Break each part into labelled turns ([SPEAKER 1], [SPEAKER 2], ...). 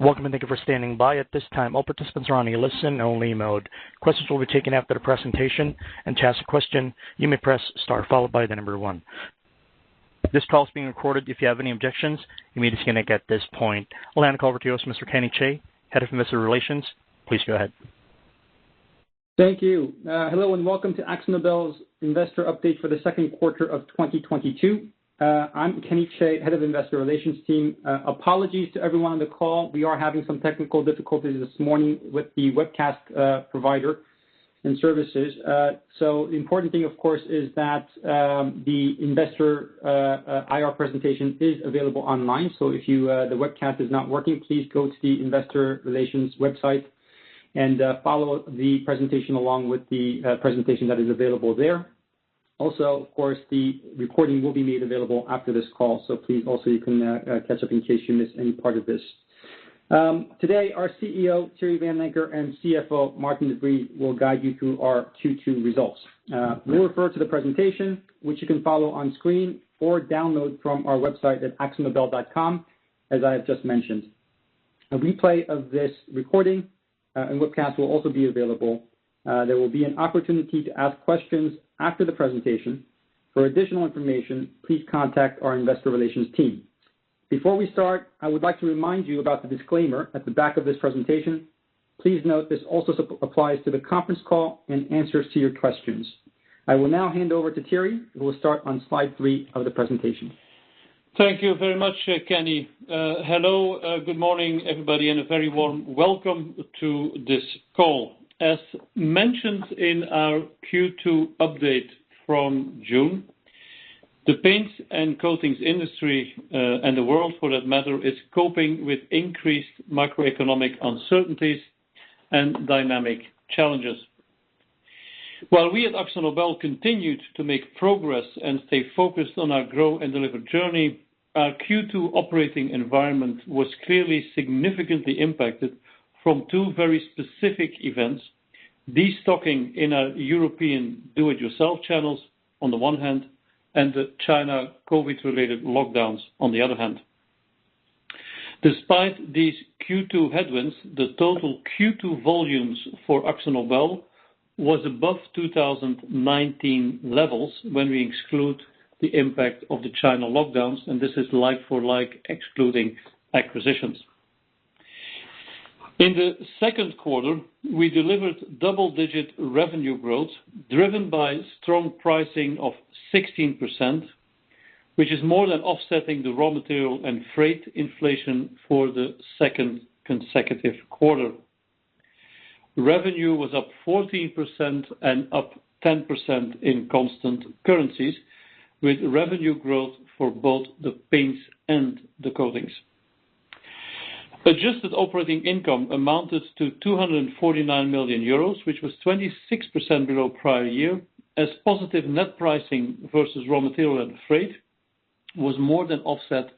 [SPEAKER 1] Welcome, and thank you for standing by. At this time, all participants are on a listen only mode. Questions will be taken after the presentation. To ask a question, you may press Star followed by the number one. This call is being recorded. If you have any objections, you may disconnect at this point. I'll hand the call over to Mr. Kenny Chae, Head of Investor Relations. Please go ahead.
[SPEAKER 2] Thank you. Hello, and welcome to AkzoNobel's investor update for the Q2 of 2022. I'm Kenny Chae, head of investor relations team. Apologies to everyone on the call. We are having some technical difficulties this morning with the webcast provider and services. The important thing, of course, is that the investor IR presentation is available online. If the webcast is not working, please go to the investor relations website and follow the presentation along with the presentation that is available there. Also, of course, the recording will be made available after this call. Please also you can catch up in case you missed any part of this. Today, our CEO, Thierry Vanlancker, and CFO, Maarten de Vries, will guide you through our Q2 results. We'll refer to the presentation, which you can follow on screen or download from our website at akzonobel.com as I have just mentioned. A replay of this recording and webcast will also be available. There will be an opportunity to ask questions after the presentation. For additional information, please contact our investor relations team. Before we start, I would like to remind you about the disclaimer at the back of this presentation. Please note this also applies to the conference call and answers to your questions. I will now hand over to Thierry, who will start on slide three of the presentation.
[SPEAKER 3] Thank you very much, Kenny. Hello, good morning, everybody, and a very warm welcome to this call. As mentioned in our Q2 update from June, the paints and coatings industry, and the world for that matter, is coping with increased macroeconomic uncertainties and dynamic challenges. While we at AkzoNobel continued to make progress and stay focused on our Grow & Deliver journey, our Q2 operating environment was clearly significantly impacted from two very specific events, destocking in our European do-it-yourself channels on the one hand, and the China COVID-related lockdowns on the other hand. Despite these Q2 headwinds, the total Q2 volumes for AkzoNobel was above 2019 levels when we exclude the impact of the China lockdowns, and this is like for like excluding acquisitions. In the Q2, we delivered double-digit revenue growth driven by strong pricing of 16%, which is more than offsetting the raw material and freight inflation for the second consecutive quarter. Revenue was up 14% and up 10% in constant currencies, with revenue growth for both the paints and the coatings. Adjusted operating income amounted to 249 million euros, which was 26% below prior year as positive net pricing versus raw material and freight was more than offset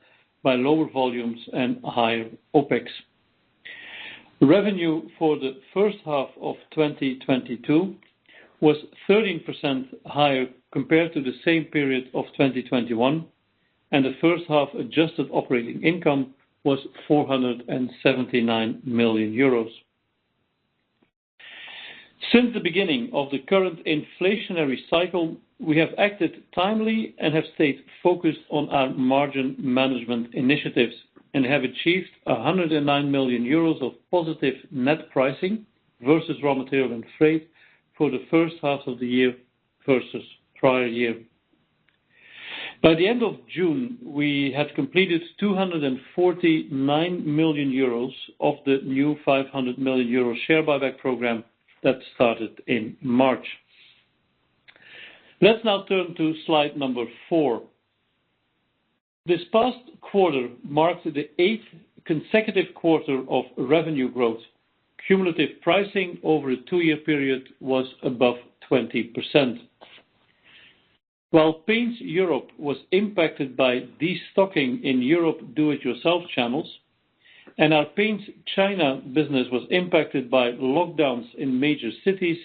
[SPEAKER 3] by lower volumes and higher OpEx. Revenue for the first half of 2022 was 13% higher compared to the same period of 2021, and the first half adjusted operating income was 479 million euros. Since the beginning of the current inflationary cycle, we have acted timely and have stayed focused on our margin management initiatives and have achieved 109 million euros of positive net pricing versus raw material and freight for the first half of the year versus prior year. By the end of June, we had completed 249 million euros of the new 500 million euro share buyback program that started in March. Let's now turn to slide number 4. This past quarter marks the eighth consecutive quarter of revenue growth. Cumulative pricing over a two-year period was above 20%. While Paints Europe was impacted by destocking in Europe do-it-yourself channels and our Paints China business was impacted by lockdowns in major cities,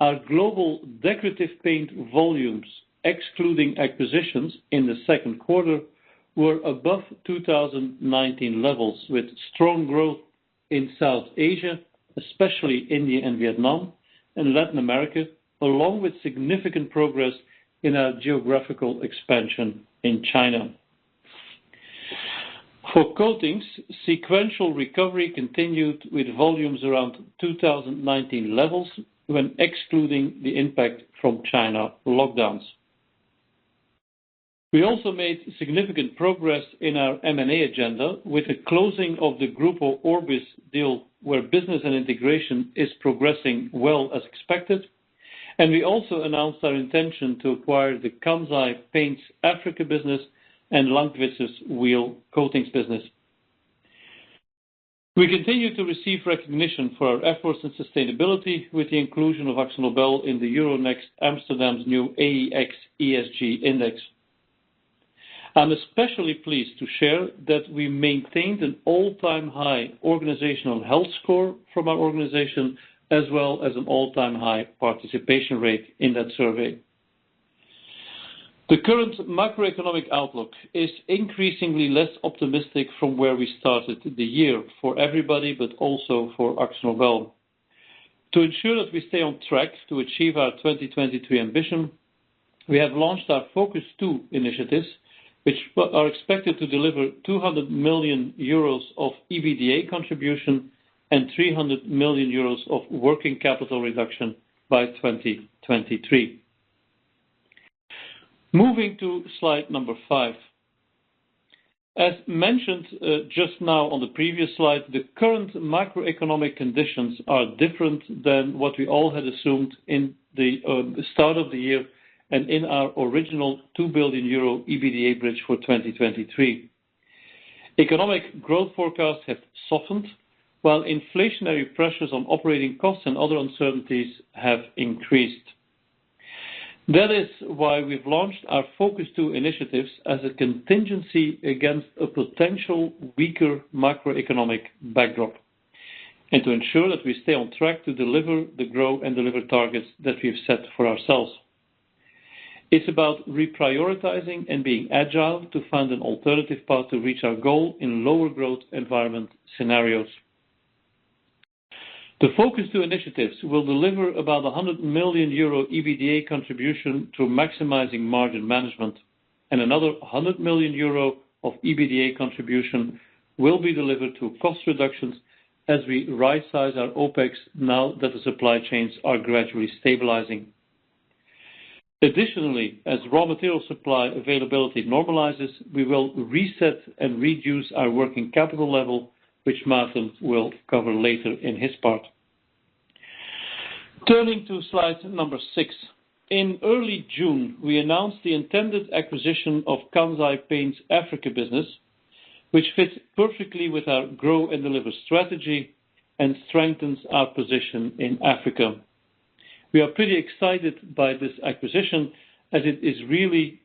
[SPEAKER 3] our global decorative paint volumes, excluding acquisitions in the Q2, were above 2019 levels, with strong growth in South Asia, especially India and Vietnam and Latin America, along with significant progress in our geographical expansion in China. For coatings, sequential recovery continued with volumes around 2019 levels when excluding the impact from China lockdowns. We also made significant progress in our M&A agenda with the closing of the Grupo Orbis deal where business and integration is progressing well as expected. We also announced our intention to acquire the Kansai Paint Africa business and Lankwitzer Lackfabrik wheel coatings business. We continue to receive recognition for our efforts and sustainability with the inclusion of AkzoNobel in the Euronext Amsterdam's new AEX ESG Index. I'm especially pleased to share that we maintained an all-time high organizational health score from our organization, as well as an all-time high participation rate in that survey. The current macroeconomic outlook is increasingly less optimistic from where we started the year for everybody, but also for AkzoNobel. To ensure that we stay on track to achieve our 2023 ambition, we have launched our Focus Two initiatives, which are expected to deliver 200 million euros of EBITDA contribution and 300 million euros of working capital reduction by 2023. Moving to slide number 5. As mentioned just now on the previous slide, the current macroeconomic conditions are different than what we all had assumed in the start of the year and in our original EUR 2 billion EBITDA bridge for 2023. Economic growth forecasts have softened, while inflationary pressures on operating costs and other uncertainties have increased. That is why we've launched our Focus Two initiatives as a contingency against a potential weaker macroeconomic backdrop, and to ensure that we stay on track to deliver the growth and deliver targets that we've set for ourselves. It's about reprioritizing and being agile to find an alternative path to reach our goal in lower growth environment scenarios. The Focus Two initiatives will deliver about 100 million euro EBITDA contribution to maximizing margin management, and another 100 million euro of EBITDA contribution will be delivered to cost reductions as we rightsize our OpEx now that the supply chains are gradually stabilizing. Additionally, as raw material supply availability normalizes, we will reset and reduce our working capital level, which Maarten will cover later in his part. Turning to slide 6. In early June, we announced the intended acquisition of Kansai Paint's African business, which fits perfectly with our Grow & Deliver strategy and strengthens our position in Africa. We are pretty excited by this acquisition as it is really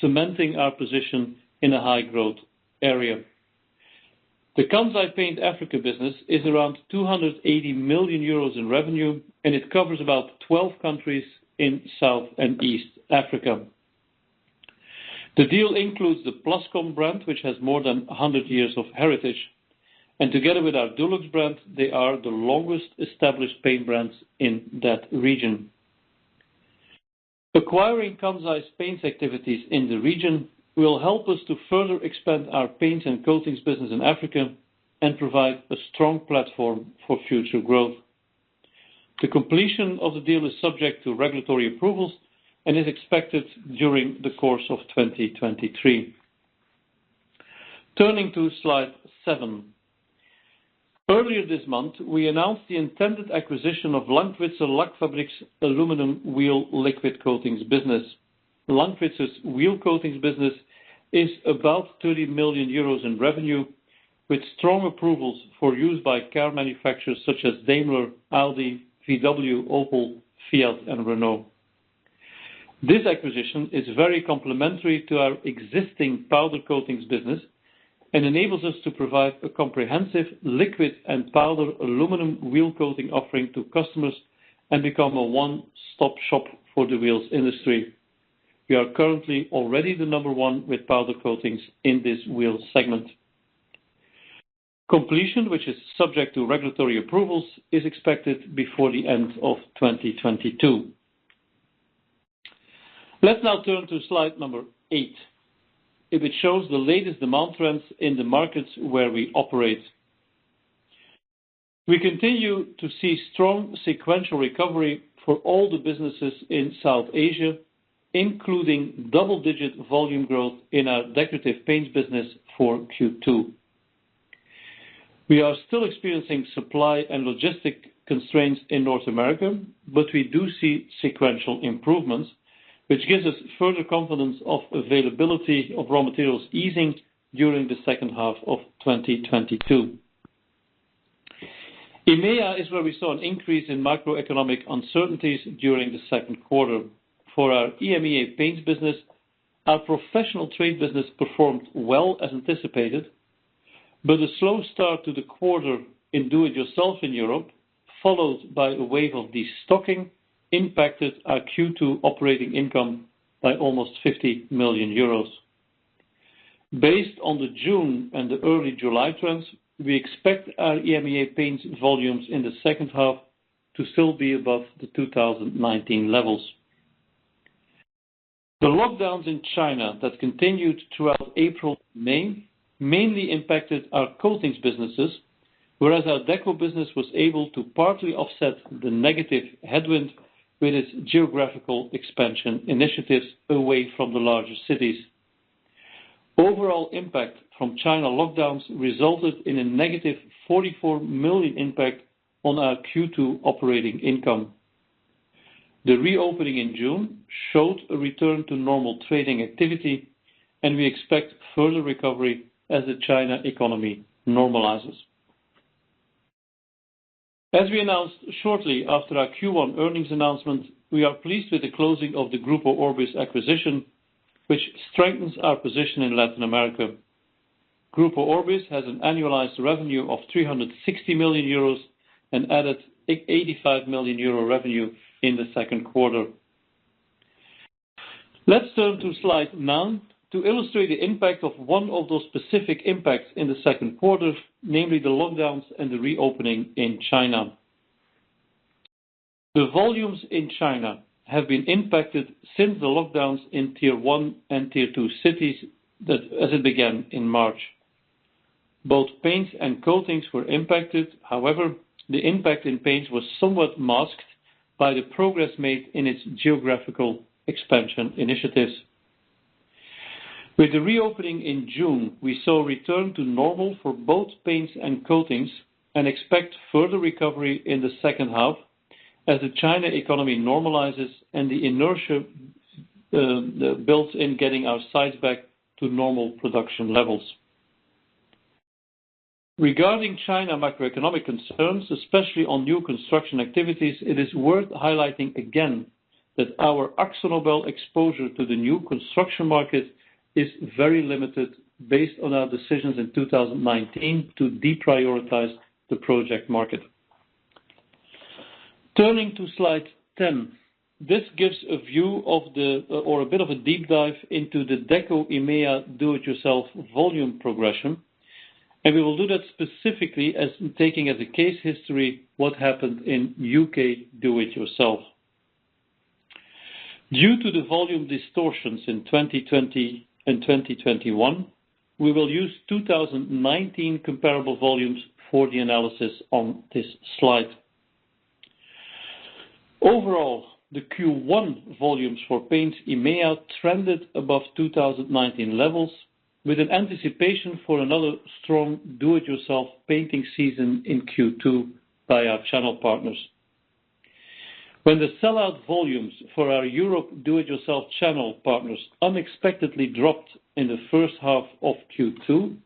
[SPEAKER 3] cementing our position in a high growth area. The Kansai Paint's African business is around 280 million euros in revenue, and it covers about 12 countries in South and East Africa. The deal includes the Plascon brand, which has more than a hundred years of heritage, and together with our Dulux brand, they are the longest established paint brands in that region. Acquiring Kansai Paint's paints activities in the region will help us to further expand our paints and coatings business in Africa and provide a strong platform for future growth. The completion of the deal is subject to regulatory approvals and is expected during the course of 2023. Turning to slide 7. Earlier this month, we announced the intended acquisition of Lankwitzer Lackfabrik's aluminum wheel liquid coatings business. Lankwitzer Lackfabrik's wheel coatings business is about 30 million euros in revenue, with strong approvals for use by car manufacturers such as Daimler, Audi, VW, Opel, Fiat, and Renault. This acquisition is very complementary to our existing Powder Coatings business and enables us to provide a comprehensive liquid and powder aluminum wheel coating offering to customers and become a one-stop shop for the wheels industry. We are currently already the number one with Powder Coatings in this wheel segment. Completion, which is subject to regulatory approvals, is expected before the end of 2022. Let's now turn to slide number 8, if it shows the latest demand trends in the markets where we operate. We continue to see strong sequential recovery for all the businesses in South Asia, including double-digit volume growth in our Decorative Paints business for Q2. We are still experiencing supply and logistic constraints in North America, but we do see sequential improvements, which gives us further confidence of availability of raw materials easing during the second half of 2022. EMEA is where we saw an increase in macroeconomic uncertainties during the Q2. For our EMEA paints business, our professional trade business performed well as anticipated, but a slow start to the quarter in do it yourself in Europe, followed by a wave of destocking, impacted our Q2 operating income by almost 50 million euros. Based on the June and the early July trends, we expect our EMEA Paints volumes in the second half to still be above the 2019 levels. The lockdowns in China that continued throughout April, May, mainly impacted our coatings businesses, whereas our deco business was able to partly offset the negative headwind with its geographical expansion initiatives away from the larger cities. Overall impact from China lockdowns resulted in a negative 44 million impact on our Q2 operating income. The reopening in June showed a return to normal trading activity, and we expect further recovery as the China economy normalizes. As we announced shortly after our Q1 earnings announcement, we are pleased with the closing of the Grupo Orbis acquisition, which strengthens our position in Latin America. Grupo Orbis has an annualized revenue of 360 million euros and added 85 million euro revenue in the Q2. Let's turn to slide 9 to illustrate the impact of one of those specific impacts in the Q2, namely the lockdowns and the reopening in China. The volumes in China have been impacted since the lockdowns in tier one and tier two cities, as it began in March. Both paints and coatings were impacted. However, the impact in paints was somewhat masked by the progress made in its geographical expansion initiatives. With the reopening in June, we saw a return to normal for both paints and coatings and expect further recovery in the second half as the China economy normalizes and the inertia built in getting our sites back to normal production levels. Regarding China macroeconomic concerns, especially on new construction activities, it is worth highlighting again that our AkzoNobel exposure to the new construction market is very limited based on our decisions in 2019 to deprioritize the project market. Turning to slide 10, this gives a view or a bit of a deep dive into the Deco EMEA do-it-yourself volume progression, and we will do that specifically, taking as a case history what happened in U.K. do-it-yourself. Due to the volume distortions in 2020 and 2021, we will use 2019 comparable volumes for the analysis on this slide. Overall, the Q1 volumes for Paints EMEA trended above 2019 levels with an anticipation for another strong do-it-yourself painting season in Q2 by our channel partners. When the sellout volumes for our Europe do-it-yourself channel partners unexpectedly dropped in the first half of Q2,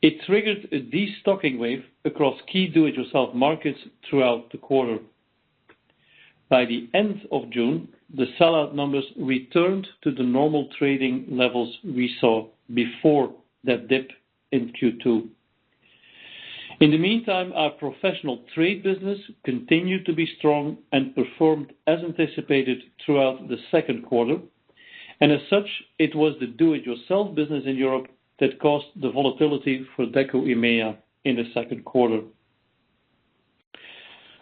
[SPEAKER 3] it triggered a destocking wave across key do-it-yourself markets throughout the quarter. By the end of June, the sellout numbers returned to the normal trading levels we saw before that dip in Q2. In the meantime, our professional trade business continued to be strong and performed as anticipated throughout the Q2. As such, it was the do-it-yourself business in Europe that caused the volatility for Deco EMEA in the Q2.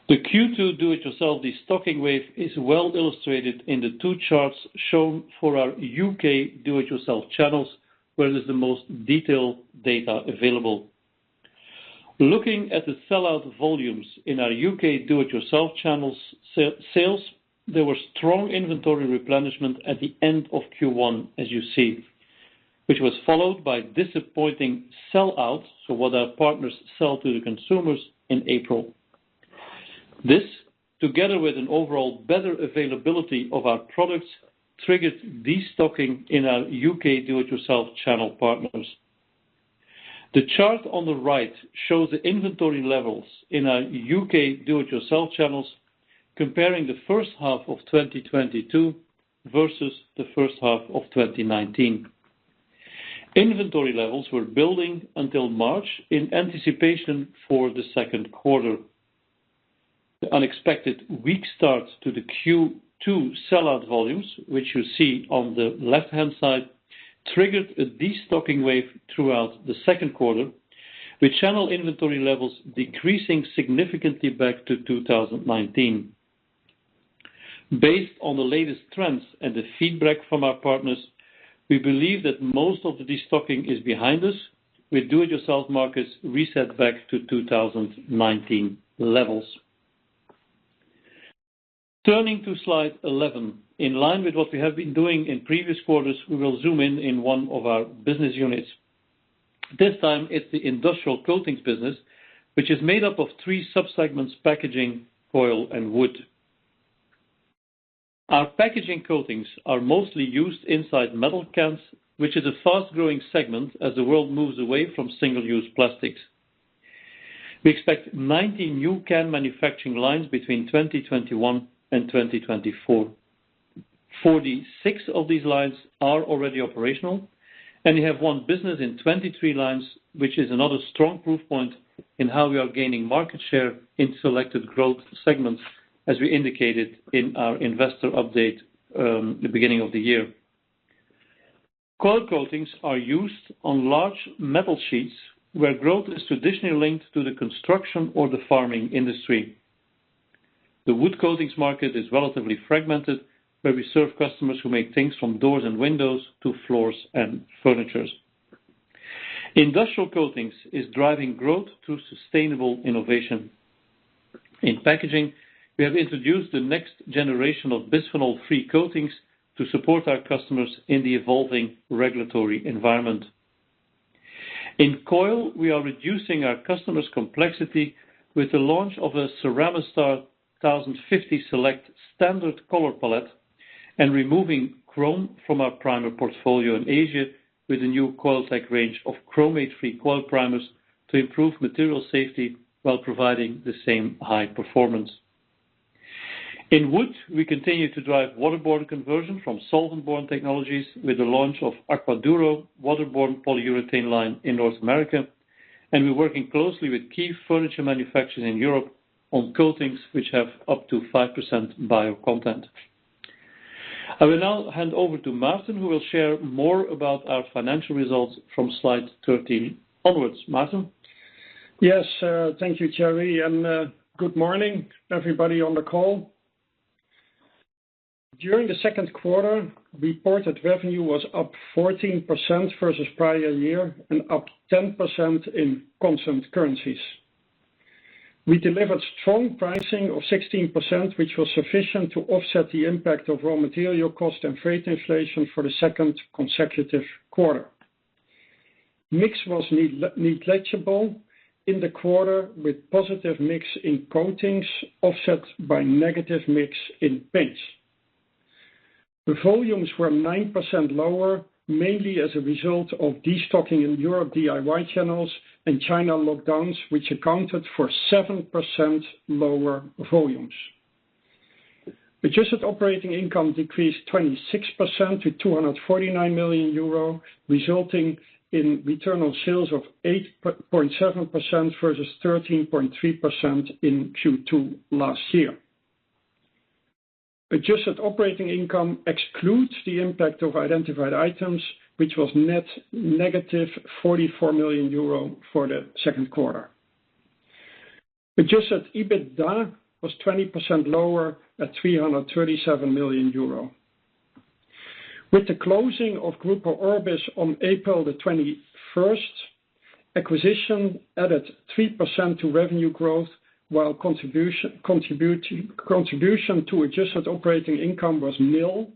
[SPEAKER 3] The Q2 do-it-yourself destocking wave is well illustrated in the two charts shown for our UK do-it-yourself channels, where there's the most detailed data available. Looking at the sellout volumes in our UK do-it-yourself channels sales, there were strong inventory replenishment at the end of Q1, as you see, which was followed by disappointing sellouts, so what our partners sell to the consumers in April. This, together with an overall better availability of our products, triggered destocking in our UK do-it-yourself channel partners. The chart on the right shows the inventory levels in our UK do-it-yourself channels, comparing the first half of 2022 versus the first half of 2019. Inventory levels were building until March in anticipation for the Q2. The unexpected weak start to the Q2 sellout volumes, which you see on the left-hand side, triggered a destocking wave throughout the Q2, with channel inventory levels decreasing significantly back to 2019. Based on the latest trends and the feedback from our partners, we believe that most of the destocking is behind us, with do-it-yourself markets reset back to 2019 levels. Turning to slide 11, in line with what we have been doing in previous quarters, we will zoom in on one of our business units. This time it's the Industrial Coatings business, which is made up of three subsegments, packaging, coil, and wood. Our packaging coatings are mostly used inside metal cans, which is a fast-growing segment as the world moves away from single-use plastics. We expect 90 new can manufacturing lines between 2021 and 2024. 46 of these lines are already operational, and we have won business in 23 lines, which is another strong proof point in how we are gaining market share in selected growth segments, as we indicated in our investor update, the beginning of the year. Coil coatings are used on large metal sheets where growth is traditionally linked to the construction or the farming industry. The wood coatings market is relatively fragmented, where we serve customers who make things from doors and windows to floors and furniture. Industrial coatings is driving growth through sustainable innovation. In packaging, we have introduced the next generation of bisphenol-free coatings to support our customers in the evolving regulatory environment. In coil, we are reducing our customers' complexity with the launch of a CERAM-A-STAR 1050 Select standard color palette and removing chrome from our primer portfolio in Asia with a new COILTEC range of chromate-free coil primers to improve material safety while providing the same high performance. In wood, we continue to drive waterborne conversion from solvent-borne technologies with the launch of Acquaduro waterborne polyurethane line in North America. We're working closely with key furniture manufacturers in Europe on coatings which have up to 5% bio-content. I will now hand over to Maartin, who will share more about our financial results from slide 13 onwards. Maartin.
[SPEAKER 4] Yes, thank you, Thierry, and good morning, everybody on the call. During the Q2, reported revenue was up 14% versus prior year and up 10% in constant currencies. We delivered strong pricing of 16%, which was sufficient to offset the impact of raw material cost and freight inflation for the second consecutive quarter. Mix was negligible in the quarter, with positive mix in coatings offset by negative mix in paints. The volumes were 9% lower, mainly as a result of destocking in Europe DIY channels and China lockdowns, which accounted for 7% lower volumes. Adjusted operating income decreased 26% to 249 million euro, resulting in return on sales of 8.7% versus 13.3% in Q2 last year. Adjusted operating income excludes the impact of identified items, which was net negative 44 million euro for the Q2. Adjusted EBITDA was 20% lower at 337 million euro. With the closing of Grupo Orbis on April 21st, acquisition added 3% to revenue growth, while contribution to adjusted operating income was nil,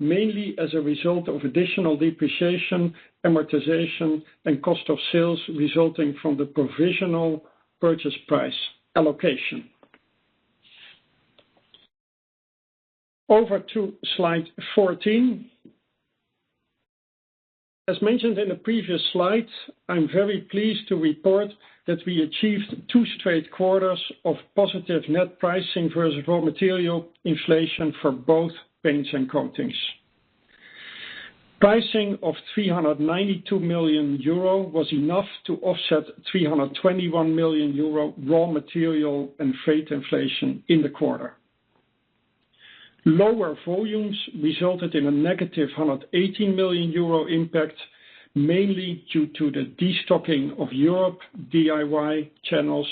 [SPEAKER 4] mainly as a result of additional depreciation, amortization and cost of sales resulting from the provisional purchase price allocation. Over to slide 14. As mentioned in the previous slide, I'm very pleased to report that we achieved two straight quarters of positive net pricing versus raw material inflation for both paints and coatings. Pricing of 392 million euro was enough to offset 321 million euro raw material and freight inflation in the quarter. Lower volumes resulted in a negative 118 million euro impact, mainly due to the destocking of Europe DIY channels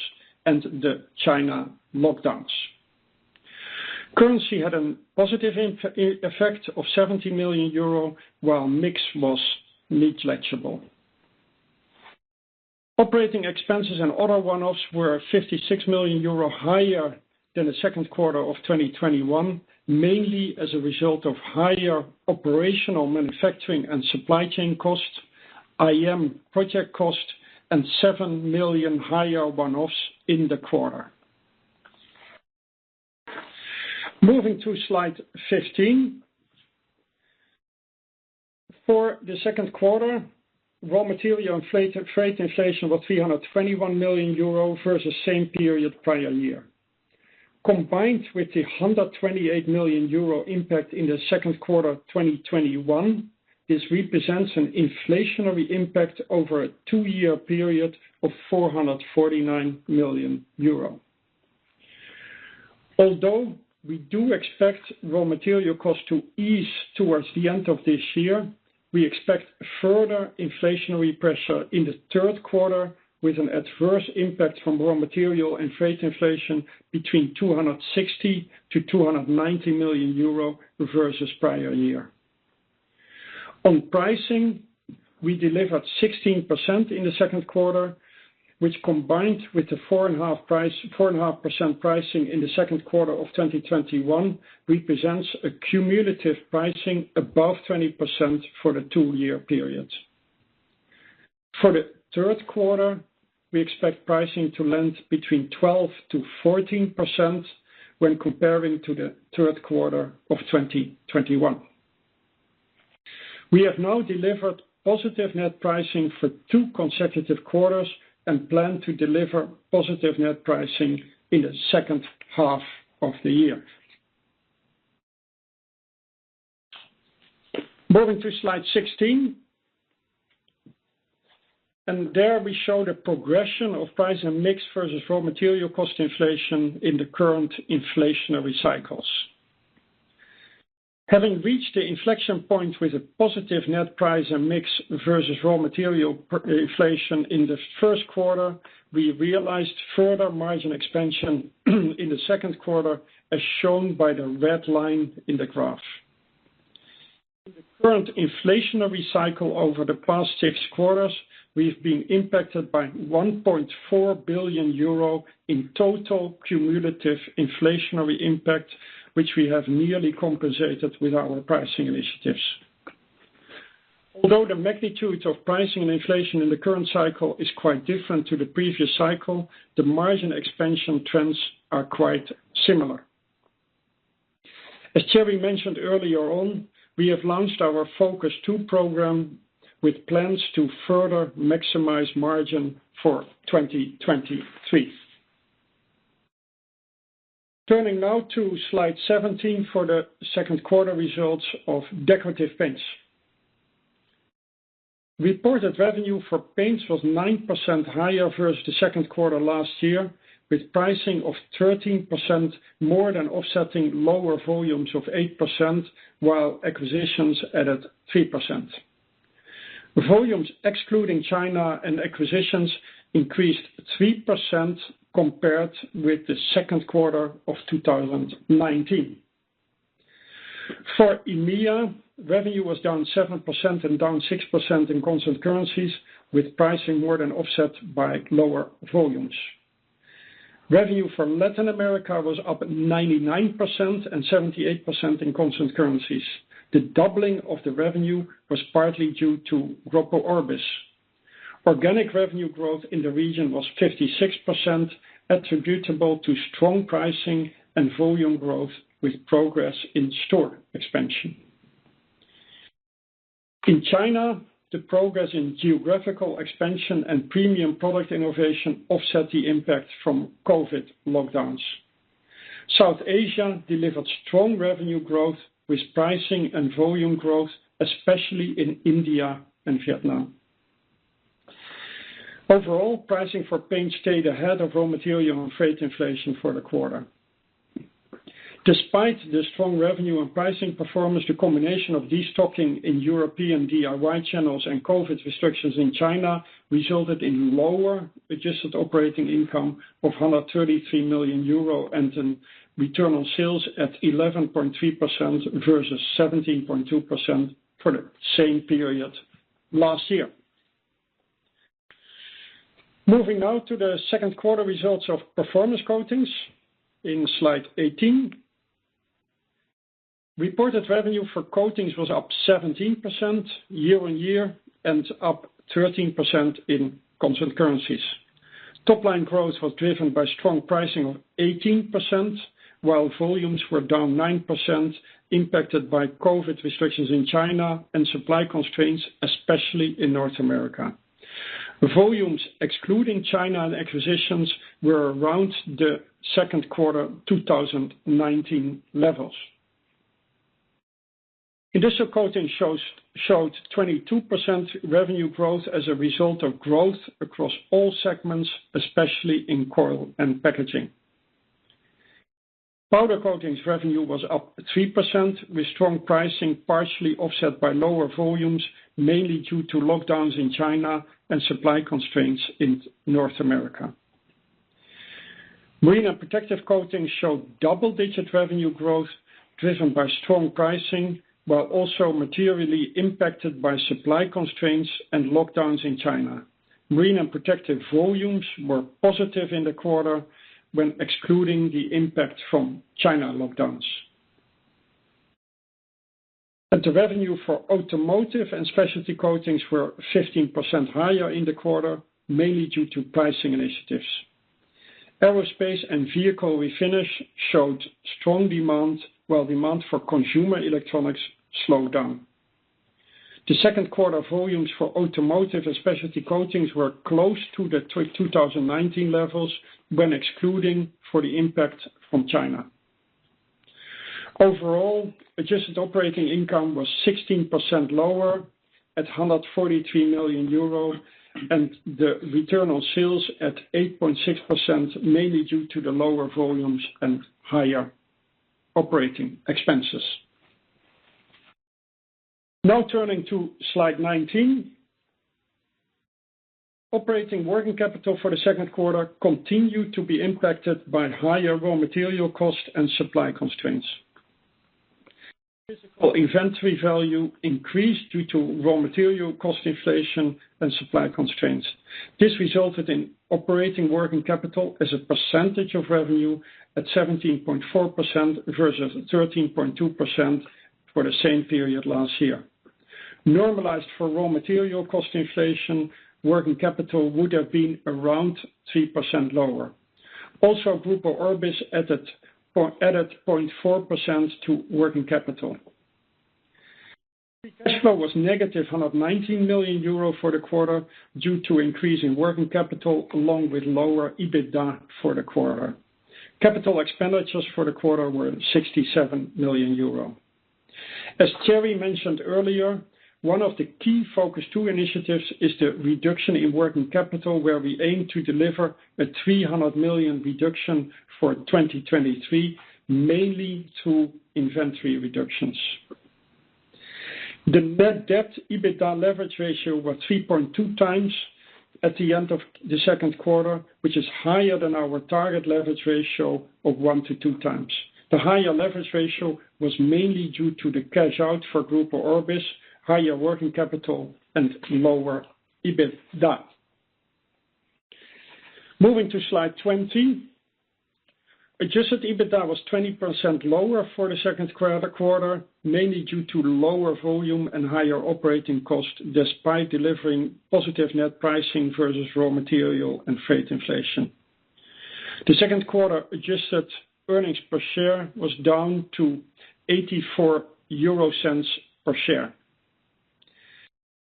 [SPEAKER 4] and the China lockdowns. Currency had a positive effect of 70 million euro, while mix was negligible. Operating expenses and other one-offs were 56 million euro higher than the Q2 of 2021, mainly as a result of higher operational manufacturing and supply chain costs, IT project costs and 7 million higher one-offs in the quarter. Moving to slide 15. For the Q2, raw material and freight inflation was 321 million euro versus same period prior year. Combined with the 128 million euro impact in the Q2 of 2021, this represents an inflationary impact over a two-year period of 449 million euro. Although we do expect raw material costs to ease towards the end of this year, we expect further inflationary pressure in the Q3 with an adverse impact from raw material and freight inflation between 260 million and 290 million euro versus prior year. On pricing, we delivered 16% in the Q2, which combined with the 4.5% pricing in the Q2 of 2021, represents a cumulative pricing above 20% for the two-year period. For the Q3, we expect pricing to land between 12%-14% when comparing to the Q3 of 2021. We have now delivered positive net pricing for two consecutive quarters and plan to deliver positive net pricing in the second half of the year. Moving to slide 16. There we show the progression of price and mix versus raw material cost inflation in the current inflationary cycles. Having reached the inflection point with a positive net price and mix versus raw material inflation in the Q1, we realized further margin expansion in the Q2, as shown by the red line in the graph. In the current inflationary cycle over the past 6 quarters, we've been impacted by 1 billion euro in total cumulative inflationary impact, which we have nearly compensated with our pricing initiatives. Although the magnitude of pricing and inflation in the current cycle is quite different to the previous cycle, the margin expansion trends are quite similar. As Thierry mentioned earlier on, we have launched our Focus Two program with plans to further maximize margin for 2023. Turning now to slide 17 for the Q2 results of Decorative Paints. Reported revenue for paints was 9% higher versus the Q2 last year, with pricing of 13% more than offsetting lower volumes of 8%, while acquisitions added 3%. Volumes excluding China and acquisitions increased 3% compared with the Q2 of 2019. For EMEA, revenue was down 7% and down 6% in constant currencies, with pricing more than offset by lower volumes. Revenue from Latin America was up 99% and 78% in constant currencies. The doubling of the revenue was partly due to Grupo Orbis. Organic revenue growth in the region was 56% attributable to strong pricing and volume growth with progress in store expansion. In China, the progress in geographical expansion and premium product innovation offset the impact from COVID-19 lockdowns. South Asia delivered strong revenue growth with pricing and volume growth, especially in India and Vietnam. Overall, pricing for paints stayed ahead of raw material and freight inflation for the quarter. Despite the strong revenue and pricing performance, the combination of destocking in European DIY channels and COVID restrictions in China resulted in lower adjusted operating income of 133 million euro and in return on sales at 11.3% versus 17.2% for the same period last year. Moving now to the Q2 results of Performance Coatings in slide 18. Reported revenue for coatings was up 17% year-on-year and up 13% in constant currencies. Top line growth was driven by strong pricing of 18%, while volumes were down 9% impacted by COVID restrictions in China and supply constraints, especially in North America. Volumes excluding China and acquisitions were around the Q2 2019 levels. Industrial Coatings showed 22% revenue growth as a result of growth across all segments, especially in coil and packaging. Powder Coatings revenue was up 3% with strong pricing partially offset by lower volumes, mainly due to lockdowns in China and supply constraints in North America. Marine and Protective Coatings showed double-digit revenue growth driven by strong pricing while also materially impacted by supply constraints and lockdowns in China. Marine and Protective volumes were positive in the quarter when excluding the impact from China lockdowns. The revenue for Automotive and Specialty Coatings were 15% higher in the quarter, mainly due to pricing initiatives. Aerospace and Vehicle Refinishes showed strong demand, while demand for consumer electronics slowed down. The Q2 volumes for Automotive and Specialty Coatings were close to the 2019 levels when excluding the impact from China. Overall, adjusted operating income was 16% lower at 143 million euro and the return on sales at 8.6%, mainly due to the lower volumes and higher operating expenses. Now turning to slide 19. Operating working capital for the Q2 continued to be impacted by higher raw material costs and supply constraints. Physical inventory value increased due to raw material cost inflation and supply constraints. This resulted in operating working capital as a percentage of revenue at 17.4% versus 13.2% for the same period last year. Normalized for raw material cost inflation, working capital would have been around 3% lower. Also, Grupo Orbis added 0.4% to working capital. Free cash flow was -119 million euro for the quarter due to increase in working capital along with lower EBITDA for the quarter. Capital expenditures for the quarter were 67 million euro. As Thierry mentioned earlier, one of the key Focus Two initiatives is the reduction in working capital, where we aim to deliver a 300 million reduction for 2023, mainly through inventory reductions. The net debt/EBITDA leverage ratio was 3.2 times at the end of the Q2, which is higher than our target leverage ratio of 1-2 times. The higher leverage ratio was mainly due to the cash out for Grupo Orbis, higher working capital, and lower EBITDA. Moving to slide 20. Adjusted EBITDA was 20% lower for the Q2, mainly due to lower volume and higher operating costs despite delivering positive net pricing versus raw material and freight inflation. The Q2 adjusted earnings per share was down to €0.84 per share.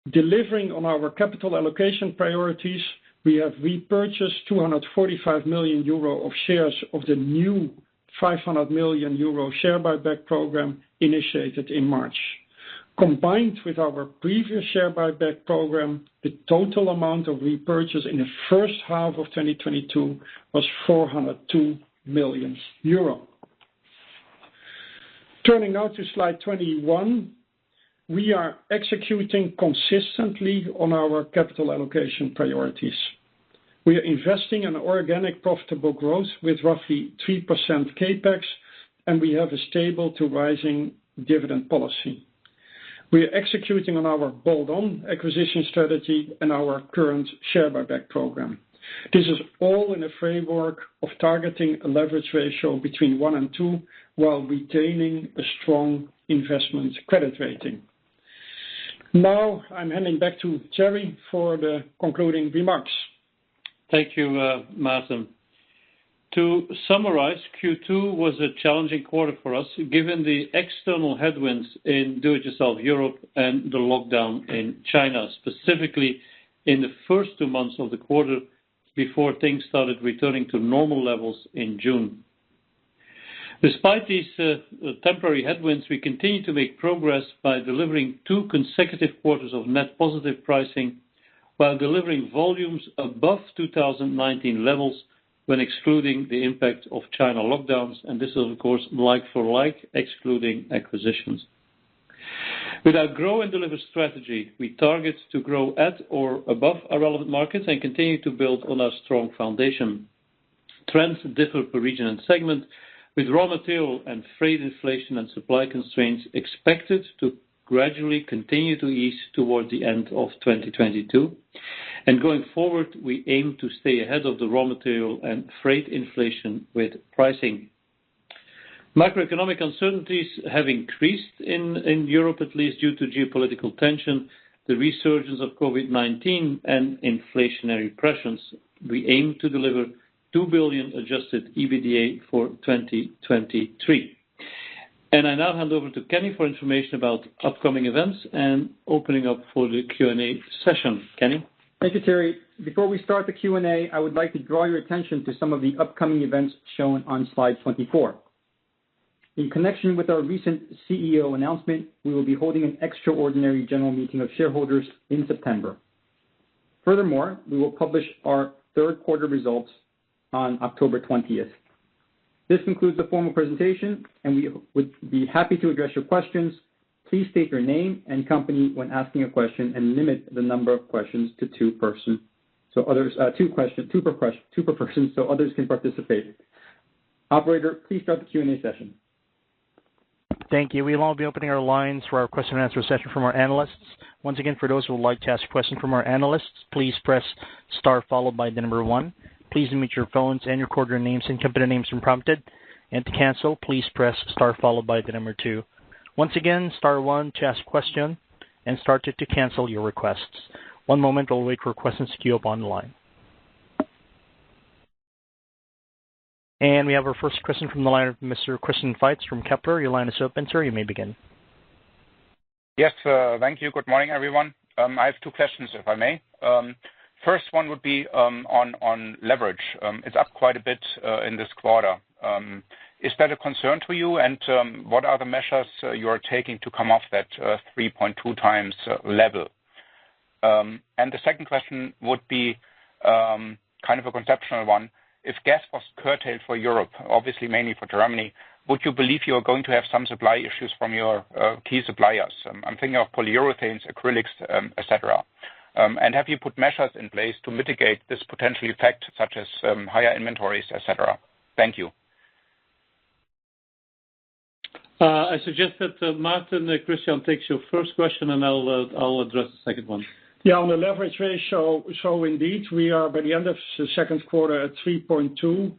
[SPEAKER 4] Delivering on our capital allocation priorities, we have repurchased 245 million euro of shares of the new 500 million euro share buyback program initiated in March. Combined with our previous share buyback program, the total amount of repurchase in the first half of 2022 was 402 million euro. Turning now to slide 21. We are executing consistently on our capital allocation priorities. We are investing in organic profitable growth with roughly 3% CapEx, and we have a stable to rising dividend policy. We are executing on our bolt-on acquisition strategy and our current share buyback program. This is all in the framework of targeting a leverage ratio between one and two while retaining a strong investment credit rating. Now I'm handing back to Thierry for the concluding remarks.
[SPEAKER 3] Thank you, Maartin. To summarize, Q2 was a challenging quarter for us, given the external headwinds in destocking in Europe and the lockdown in China, specifically in the first two months of the quarter before things started returning to normal levels in June. Despite these, temporary headwinds, we continue to make progress by delivering two consecutive quarters of net positive pricing while delivering volumes above 2019 levels when excluding the impact of China lockdowns, and this is of course, like for like, excluding acquisitions. With our Grow & Deliver strategy, we target to grow at or above our relevant markets and continue to build on our strong foundation. Trends differ per region and segment, with raw material and freight inflation and supply constraints expected to gradually continue to ease toward the end of 2022. Going forward, we aim to stay ahead of the raw material and freight inflation with pricing. Macroeconomic uncertainties have increased in Europe, at least due to geopolitical tension, the resurgence of COVID-19 and inflationary pressures. We aim to deliver 2 billion Adjusted EBITDA for 2023. I now hand over to Kenny for information about upcoming events and opening up for the Q&A session. Kenny?
[SPEAKER 2] Thank you, Thierry. Before we start the Q&A, I would like to draw your attention to some of the upcoming events shown on slide 24. In connection with our recent CEO announcement, we will be holding an extraordinary general meeting of shareholders in September. Furthermore, we will publish our Q3 results on October 20. This concludes the formal presentation, and we would be happy to address your questions. Please state your name and company when asking a question, and limit the number of questions to two per person, so others can participate. Operator, please start the Q&A session.
[SPEAKER 1] Thank you. We will now be opening our lines for our question and answer session from our analysts. Once again, for those who would like to ask a question from our analysts, please press star followed by the number one. Please unmute your phones and record your names and company names when prompted. To cancel, please press star followed by the number two. Once again, star one to ask question and star two to cancel your requests. One moment while we wait for questions to queue up on the line. We have our first question from the line of Mr. Christian Faitz from Kepler Cheuvreux. Your line is open, sir. You may begin.
[SPEAKER 5] Yes, thank you. Good morning, everyone. I have two questions, if I may. First one would be on leverage. It's up quite a bit in this quarter. Is that a concern to you? What are the measures you are taking to come off that 3.2 times level? The second question would be kind of a conceptual one. If gas was curtailed for Europe, obviously mainly for Germany, would you believe you're going to have some supply issues from your key suppliers? I'm thinking of polyurethanes, acrylics, et cetera. Have you put measures in place to mitigate this potential effect, such as higher inventories, et cetera? Thank you.
[SPEAKER 3] I suggest that Maarten, Christian, takes your first question, and I'll address the second one.
[SPEAKER 4] Yeah. On the leverage ratio, indeed, we are by the end of the Q2 at 3.2.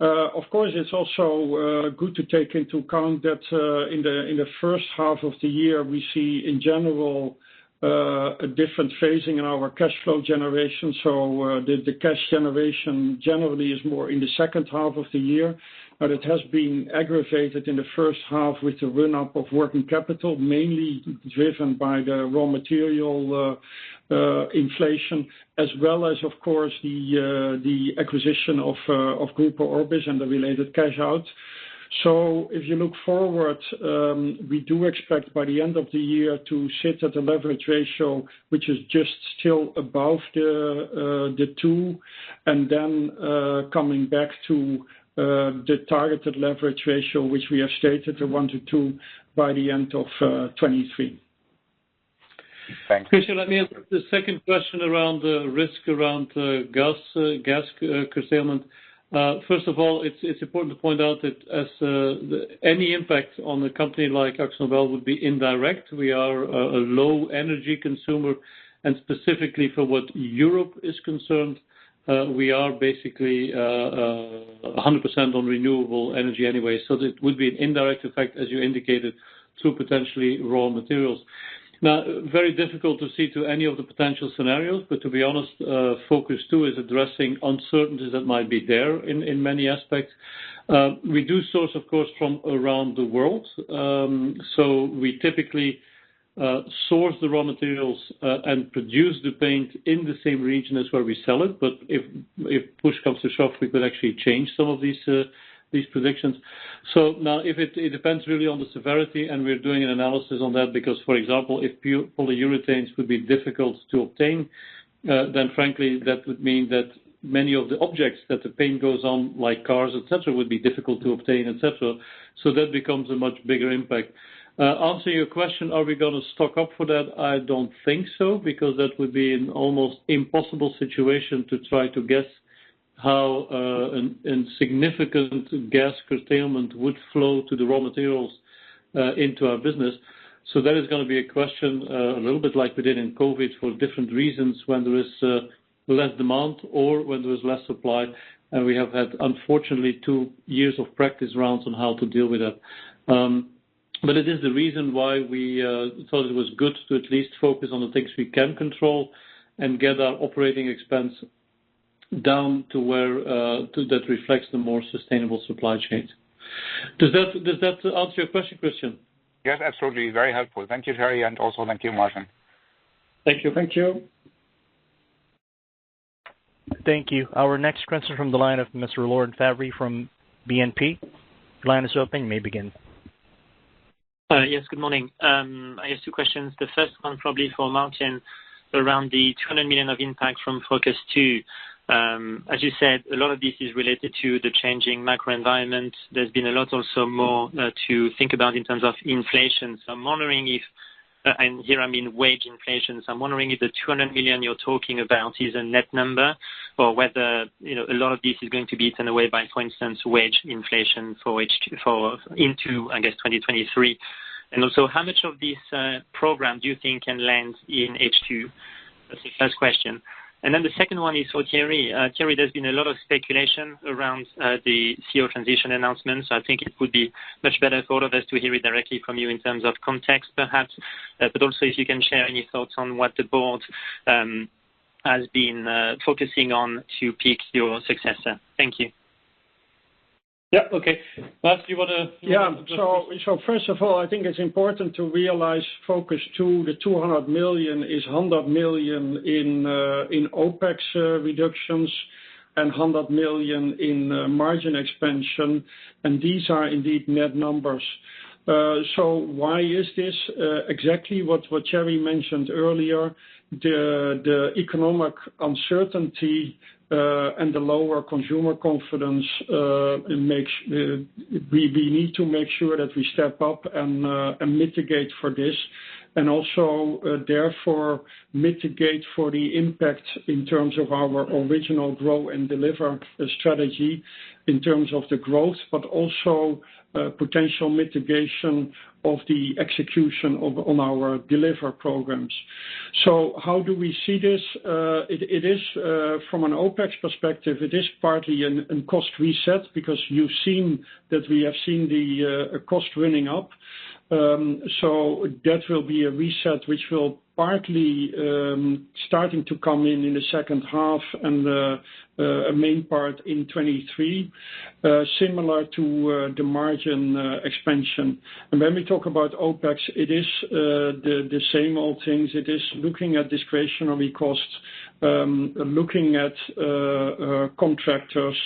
[SPEAKER 4] Of course, it's also good to take into account that in the first half of the year, we see in general a different phasing in our cash flow generation. The cash generation generally is more in the second half of the year, but it has been aggravated in the first half with the run up of working capital, mainly driven by the raw material inflation, as well as of course the acquisition of Grupo Orbis and the related cash out. If you look forward, we do expect by the end of the year to sit at a leverage ratio, which is just still above the 2 and then coming back to the targeted leverage ratio, which we have stated 1-2 by the end of 2023.
[SPEAKER 5] Thank you.
[SPEAKER 3] Christian, let me answer the second question around the risk around gas curtailment. First of all, it's important to point out that any impact on a company like AkzoNobel would be indirect. We are a low energy consumer, and specifically for what Europe is concerned, we are basically 100% on renewable energy anyway. It would be an indirect effect, as you indicated, to potentially raw materials. Now, very difficult to see any of the potential scenarios, but to be honest, Focus Two is addressing uncertainties that might be there in many aspects. We do source, of course, from around the world. We typically source the raw materials and produce the paint in the same region as where we sell it, but if push comes to shove, we could actually change some of these predictions. It depends really on the severity, and we're doing an analysis on that because, for example, if polyurethanes would be difficult to obtain, then frankly, that would mean that many of the objects that the paint goes on, like cars, et cetera, would be difficult to obtain, et cetera. That becomes a much bigger impact. To answer your question, are we gonna stock up for that? I don't think so, because that would be an almost impossible situation to try to guess how and significant gas curtailment would flow to the raw materials into our business. That is gonna be a question, a little bit like we did in COVID for different reasons, when there is less demand or when there is less supply. We have had, unfortunately, two years of practice rounds on how to deal with that. It is the reason why we thought it was good to at least focus on the things we can control and get our operating expense down to where that reflects the more sustainable supply chain. Does that answer your question, Christian?
[SPEAKER 5] Yes, absolutely. Very helpful. Thank you, Thierry, and also thank you, Maarten.
[SPEAKER 3] Thank you.
[SPEAKER 4] Thank you.
[SPEAKER 1] Thank you. Our next question from the line of Mr. Laurent Favre from BNP. Line is open, you may begin.
[SPEAKER 6] Yes, good morning. I have two questions. The first one probably for Maarten, around the 200 million of impact from Focus Two. As you said, a lot of this is related to the changing macro environment. There's also been a lot more to think about in terms of inflation. I'm wondering if, and here I mean wage inflation, I'm wondering if the 200 million you're talking about is a net number or whether, you know, a lot of this is going to be eaten away by, for instance, wage inflation for H2 into, I guess, 2023. How much of this program do you think can land in H2? That's the first question. The second one is for Thierry. Thierry, there's been a lot of speculation around the CEO transition announcement, so I think it would be much better for all of us to hear it directly from you in terms of context, perhaps. Also if you can share any thoughts on what the board has been focusing on to pick your successor. Thank you.
[SPEAKER 3] Yeah. Okay. Maarten, do you wanna.
[SPEAKER 4] First of all, I think it's important to realize Focus Two, the 200 million is 100 million in OpEx reductions and 100 million in margin expansion, and these are indeed net numbers. Why is this? Exactly what Thierry mentioned earlier, the economic uncertainty and the lower consumer confidence makes us need to make sure that we step up and mitigate for this, and also therefore mitigate for the impact in terms of our original Grow & Deliver strategy in terms of the growth, but also potential mitigation of the execution of our Deliver programs. How do we see this? It is from an OpEx perspective. It is partly a cost reset because you've seen that we have seen the cost running up. That will be a reset which will partly start to come in in the second half and a main part in 2023, similar to the margin expansion. When we talk about OpEx, it is the same old things. It is looking at discretionary costs, looking at contractors,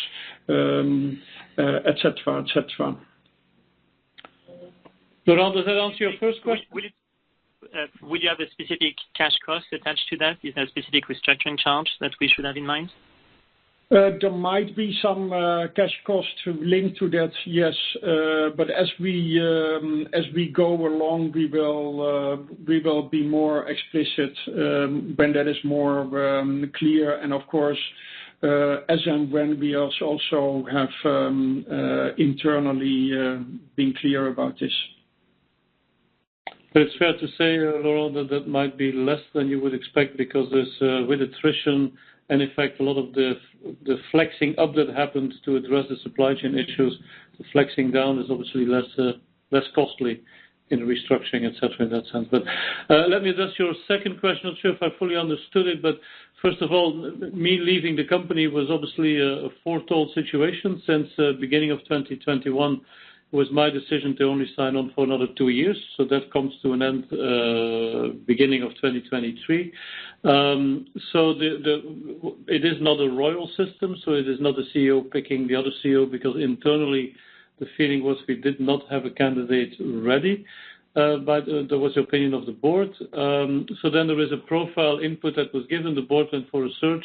[SPEAKER 4] et cetera.
[SPEAKER 3] Laurent, does that answer your first question?
[SPEAKER 6] Will you have a specific cash cost attached to that? Is there specific restructuring charge that we should have in mind?
[SPEAKER 4] There might be some cash costs to link to that, yes. As we go along, we will be more explicit when that is more clear and of course, as and when we also have internally been clear about this.
[SPEAKER 3] It's fair to say, Laurent, that that might be less than you would expect because there's with attrition and in fact, a lot of the flexing up that happens to address the supply chain issues, the flexing down is obviously less costly in restructuring, et cetera, in that sense. Let me address your second question. Not sure if I fully understood it, but first of all, me leaving the company was obviously a foretold situation since beginning of 2021. It was my decision to only sign on for another two years. That comes to an end beginning of 2023. It is not a royal system, so it is not the CEO picking the other CEO because internally the feeling was we did not have a candidate ready, but that was the opinion of the board. There is a profile input that was given the board and for a search,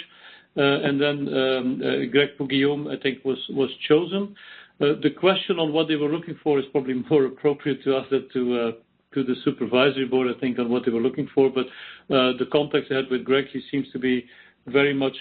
[SPEAKER 3] and then Grégoire Poux-Guillaume, I think was chosen. The question on what they were looking for is probably more appropriate to ask that to the supervisory board, I think, on what they were looking for. The contacts I had with Greg, he seems to be very much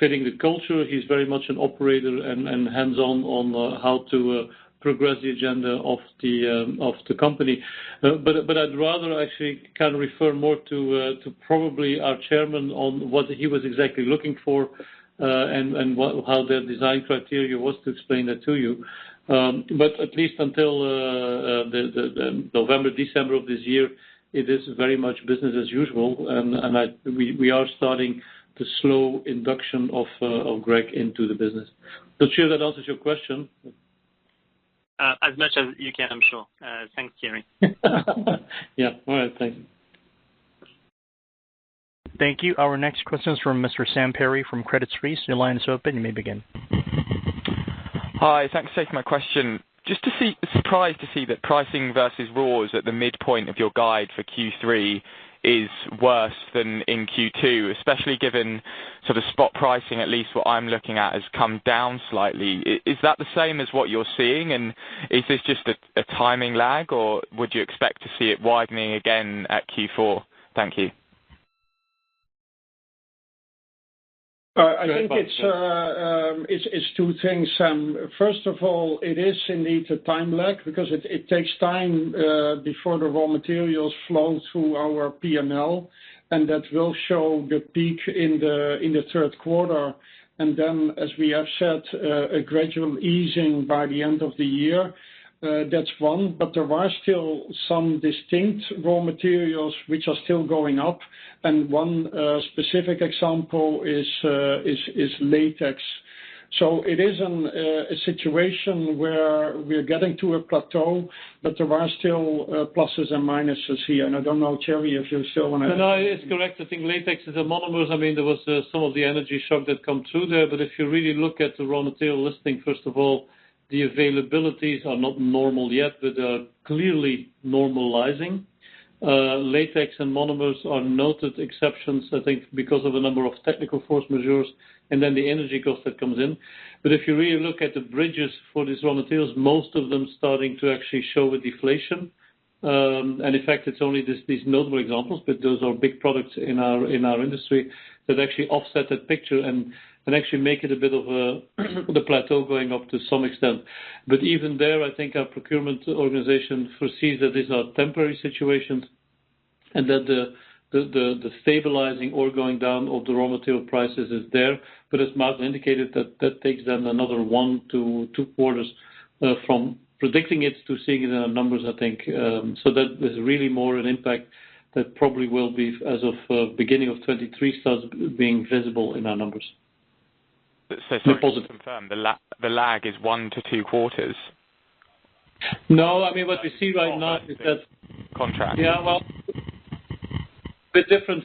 [SPEAKER 3] fitting the culture. He's very much an operator and hands-on on how to progress the agenda of the company. I'd rather actually kind of refer more to probably our chairman on what he was exactly looking for, and how their design criteria was to explain that to you. At least until, The November, December of this year, it is very much business as usual. We are starting the slow induction of Greg into the business. Not sure if that answers your question. As much as you can, I'm sure. Thanks, Thierry.
[SPEAKER 4] Yeah. All right, thanks.
[SPEAKER 1] Thank you. Our next question is from Mr. Sam Perry from Credit Suisse. Your line is open. You may begin.
[SPEAKER 7] Hi. Thanks for taking my question. Surprised to see that pricing versus raws at the midpoint of your guide for Q3 is worse than in Q2, especially given sort of spot pricing, at least what I'm looking at, has come down slightly. Is that the same as what you're seeing? Is this just a timing lag, or would you expect to see it widening again at Q4? Thank you.
[SPEAKER 4] I think it's two things, Sam. First of all, it is indeed a time lag because it takes time before the raw materials flow through our P&L, and that will show the peak in the Q3. As we have said, a gradual easing by the end of the year, that's one. There are still some distinct raw materials which are still going up, and one specific example is latex. So it is a situation where we are getting to a plateau, but there are still pluses and minuses here. I don't know, Thierry, if you still wanna.
[SPEAKER 3] No, no, it's correct. I think latex is a monomers. I mean, there was some of the energy shock that come through there. If you really look at the raw material listing, first of all, the availabilities are not normal yet, but they are clearly normalizing. Latex and monomers are noted exceptions, I think because of a number of technical force majeure, and then the energy cost that comes in. If you really look at the bridges for these raw materials, most of them starting to actually show a deflation. In fact, it's only these notable examples, but those are big products in our industry that actually offset that picture and actually make it a bit of a the plateau going up to some extent. Even there, I think our procurement organization foresees that these are temporary situations and that the stabilizing or going down of the raw material prices is there. As Maarten indicated, that takes them another 1 to 2 quarters from predicting it to seeing it in our numbers, I think. That there's really more an impact that probably will be as of beginning of 2023 starts being visible in our numbers.
[SPEAKER 7] Sorry.
[SPEAKER 3] Reported.
[SPEAKER 7] Just to confirm, the lag is 1-2 quarters?
[SPEAKER 3] No, I mean, what we see right now is that.
[SPEAKER 7] Contract.
[SPEAKER 3] Yeah, well, the difference,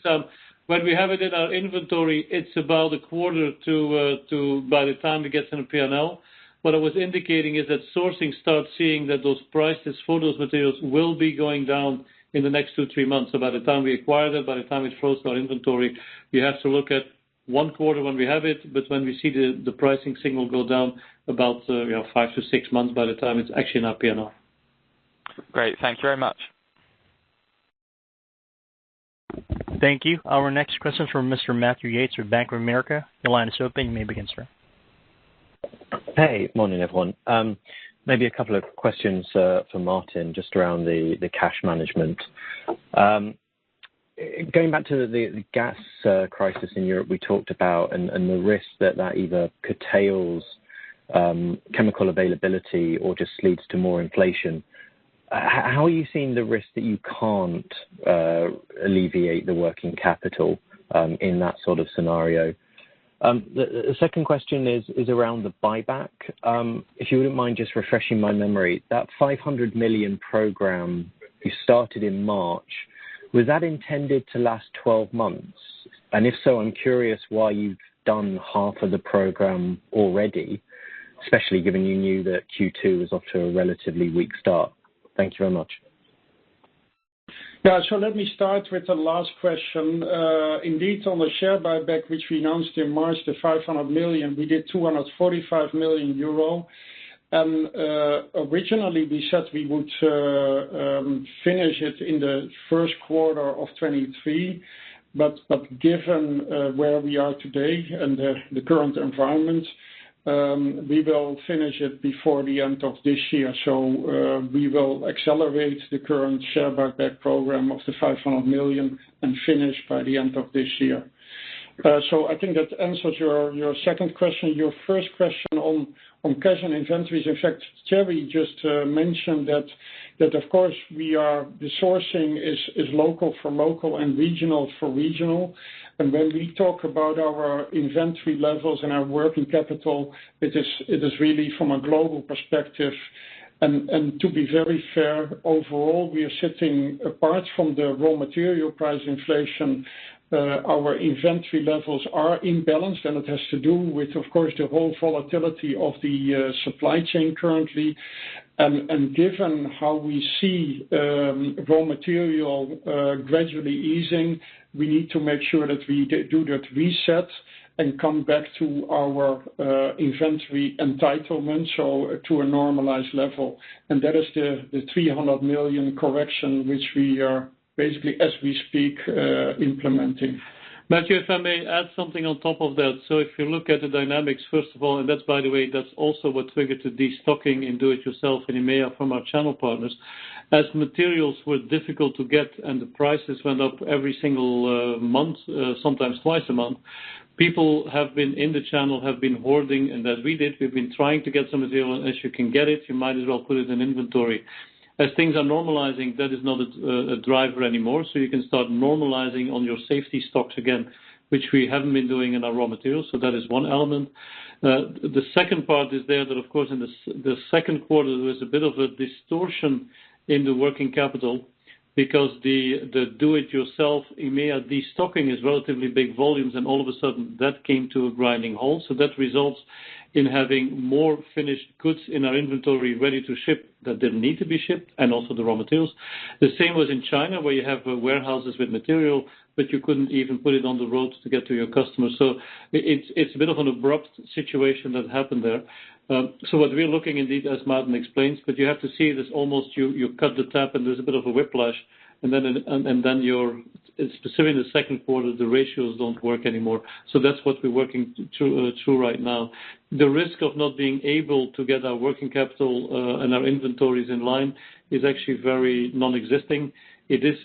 [SPEAKER 3] when we have it in our inventory, it's about a quarter to. By the time it gets in the P&L. What I was indicating is that sourcing starts seeing that those prices for those materials will be going down in the next 2-3 months. So by the time we acquire that, by the time it flows to our inventory, we have to look at one quarter when we have it, but when we see the pricing signal go down about, you know, 5-6 months by the time it's actually in our P&L.
[SPEAKER 7] Great. Thank you very much.
[SPEAKER 1] Thank you. Our next question from Mr. Matthew Yates with Bank of America. Your line is open. You may begin, sir.
[SPEAKER 8] Hey. Morning, everyone. Maybe a couple of questions for Maarten, just around the cash management. Going back to the gas crisis in Europe we talked about and the risk that either curtails chemical availability or just leads to more inflation, how are you seeing the risk that you can't alleviate the working capital in that sort of scenario? The second question is around the buyback. If you wouldn't mind just refreshing my memory, that 500 million program you started in March, was that intended to last 12 months? And if so, I'm curious why you've done half of the program already, especially given you knew that Q2 was off to a relatively weak start. Thank you very much.
[SPEAKER 4] Yeah. Let me start with the last question. Indeed, on the share buyback, which we announced in March, the 500 million, we did 245 million euro. Originally, we said we would finish it in the Q1 of 2023, but given where we are today and the current environment, we will finish it before the end of this year. We will accelerate the current share buyback program of the 500 million and finish by the end of this year. I think that answers your second question. Your first question on cash and inventories, in fact, Thierry just mentioned that of course the sourcing is local for local and regional for regional. When we talk about our inventory levels and our working capital, it is really from a global perspective. To be very fair, overall, we are sitting apart from the raw material price inflation. Our inventory levels are imbalanced, and it has to do with, of course, the whole volatility of the supply chain currently. Given how we see raw material gradually easing, we need to make sure that we do that reset and come back to our inventory entitlement, so to a normalized level. That is the 300 million correction, which we are basically, as we speak, implementing.
[SPEAKER 3] Matthew, if I may add something on top of that. If you look at the dynamics, first of all, and that's by the way, that's also what triggered the destocking in do-it-yourself and EMEA from our channel partners. As materials were difficult to get and the prices went up every single month, sometimes twice a month. People in the channel have been hoarding, and as we did, we've been trying to get some of it, as you can get it, you might as well put it in inventory. As things are normalizing, that is not a driver anymore, so you can start normalizing on your safety stocks again, which we haven't been doing in our raw materials. That is one element. The second part is that, of course, in the Q2, there was a bit of a distortion in the working capital because the do it yourself EMEA destocking is relatively big volumes, and all of a sudden that came to a grinding halt. That results in having more finished goods in our inventory ready to ship that didn't need to be shipped and also the raw materials. The same was in China, where you have warehouses with material, but you couldn't even put it on the road to get to your customers. It's a bit of an abrupt situation that happened there. What we're looking indeed, as Maarten explains, but you have to see it as almost you cut the tap and there's a bit of a whiplash, and then your, specifically in the Q2, the ratios don't work anymore. That's what we're working through right now. The risk of not being able to get our working capital and our inventories in line is actually very non-existent. It is,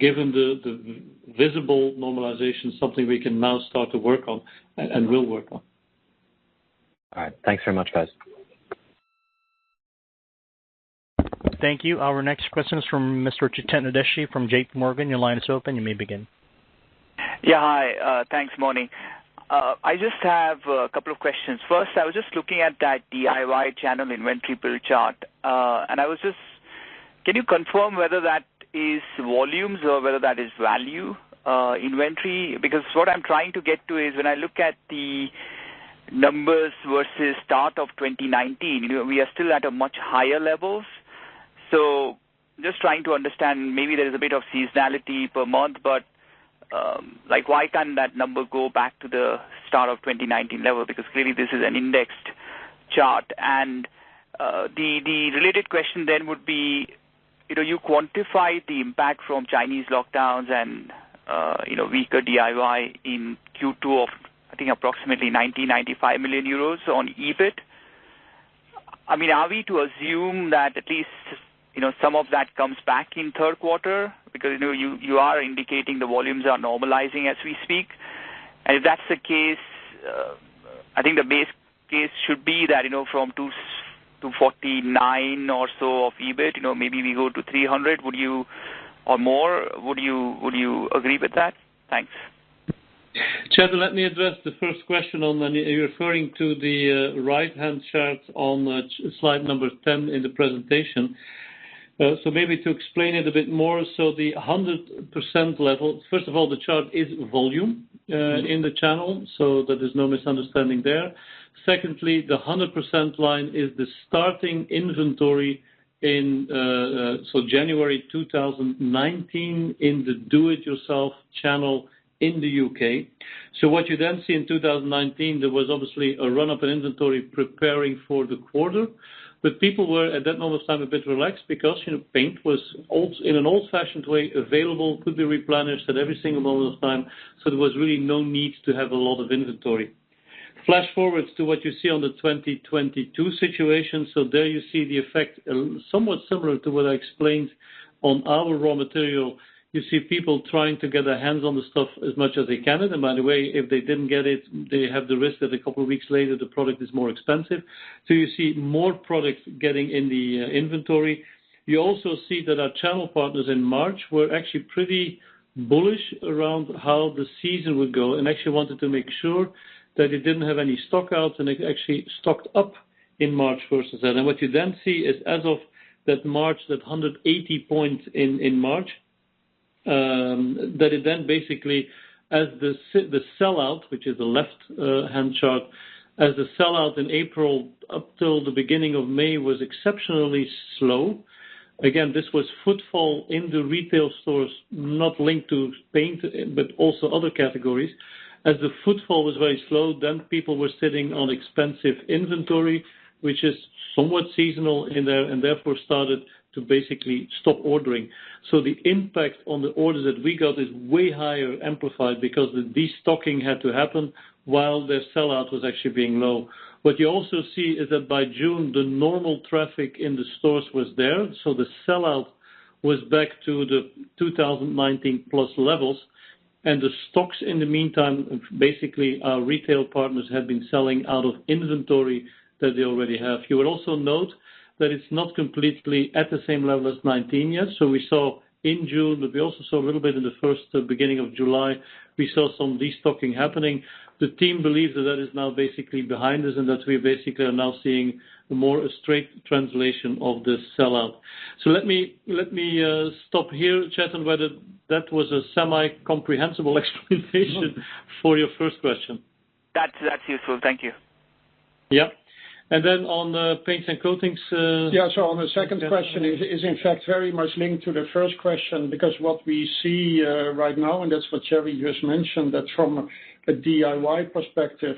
[SPEAKER 3] given the visible normalization, something we can now start to work on and will work on.
[SPEAKER 7] All right. Thanks very much, guys.
[SPEAKER 4] Thank you. Our next question is from Mr. Chetan Udeshi from JPMorgan. Your line is open. You may begin.
[SPEAKER 9] Yeah. Hi, thanks, morning. I just have a couple of questions. First, I was just looking at that DIY channel inventory build chart. Can you confirm whether that is volumes or whether that is value inventory? Because what I'm trying to get to is when I look at the numbers versus start of 2019, we are still at a much higher levels. Just trying to understand, maybe there is a bit of seasonality per month, but like, why can't that number go back to the start of 2019 level? Because clearly this is an indexed chart. The related question then would be, you know, you quantify the impact from Chinese lockdowns and, you know, weaker DIY in Q2 of, I think approximately 95 million euros on EBIT. I mean, are we to assume that at least, you know, some of that comes back in Q3? Because, you know, you are indicating the volumes are normalizing as we speak. If that's the case, I think the base case should be that, you know, from 249 or so of EBIT, you know, maybe we go to 300 or more. Would you agree with that? Thanks.
[SPEAKER 3] Chetan, let me address the first question, and you're referring to the right-hand chart on slide number 10 in the presentation. Maybe to explain it a bit more, the 100% level. First of all, the chart is volume in the channel, so that there's no misunderstanding there. Secondly, the 100% line is the starting inventory in January 2019 in the do-it-yourself channel in the UK. What you then see in 2019, there was obviously a run-up in inventory preparing for the quarter, but people were, at that moment of time, a bit relaxed because, you know, paint was in an old-fashioned way available, could be replenished at every single moment of time, so there was really no need to have a lot of inventory. Flash forward to what you see on the 2022 situation. There you see the effect, somewhat similar to what I explained on our raw material. You see people trying to get their hands on the stuff as much as they can. By the way, if they didn't get it, they have the risk that a couple of weeks later the product is more expensive. You see more products getting in the inventory. You also see that our channel partners in March were actually pretty bullish around how the season would go and actually wanted to make sure that they didn't have any stock outs, and they actually stocked up in March versus then. What you then see is as of that March, that 180 points in March, that it then basically as the sellout, which is the left hand chart. As the sellout in April up till the beginning of May was exceptionally slow. Again, this was footfall in the retail stores, not linked to paint, but also other categories. As the footfall was very slow, then people were sitting on expensive inventory, which is somewhat seasonal in there, and therefore started to basically stop ordering. The impact on the orders that we got is way higher amplified because the destocking had to happen while their sellout was actually being low. What you also see is that by June, the normal traffic in the stores was there, so the sellout was back to the 2019+ levels. The stocks in the meantime, basically our retail partners have been selling out of inventory that they already have. You will also note that it's not completely at the same level as 2019 yet. We saw in June, but we also saw a little bit in the first beginning of July, we saw some destocking happening. The team believes that that is now basically behind us and that we basically are now seeing more a straight translation of the sellout. Let me stop here, Chetan, whether that was a semi-comprehensible explanation for your first question.
[SPEAKER 9] That's useful. Thank you.
[SPEAKER 3] Yeah. On the paints and coatings,
[SPEAKER 4] Yeah. On the second question is in fact very much linked to the first question, because what we see right now, and that's what Gerry just mentioned, that from a DIY perspective,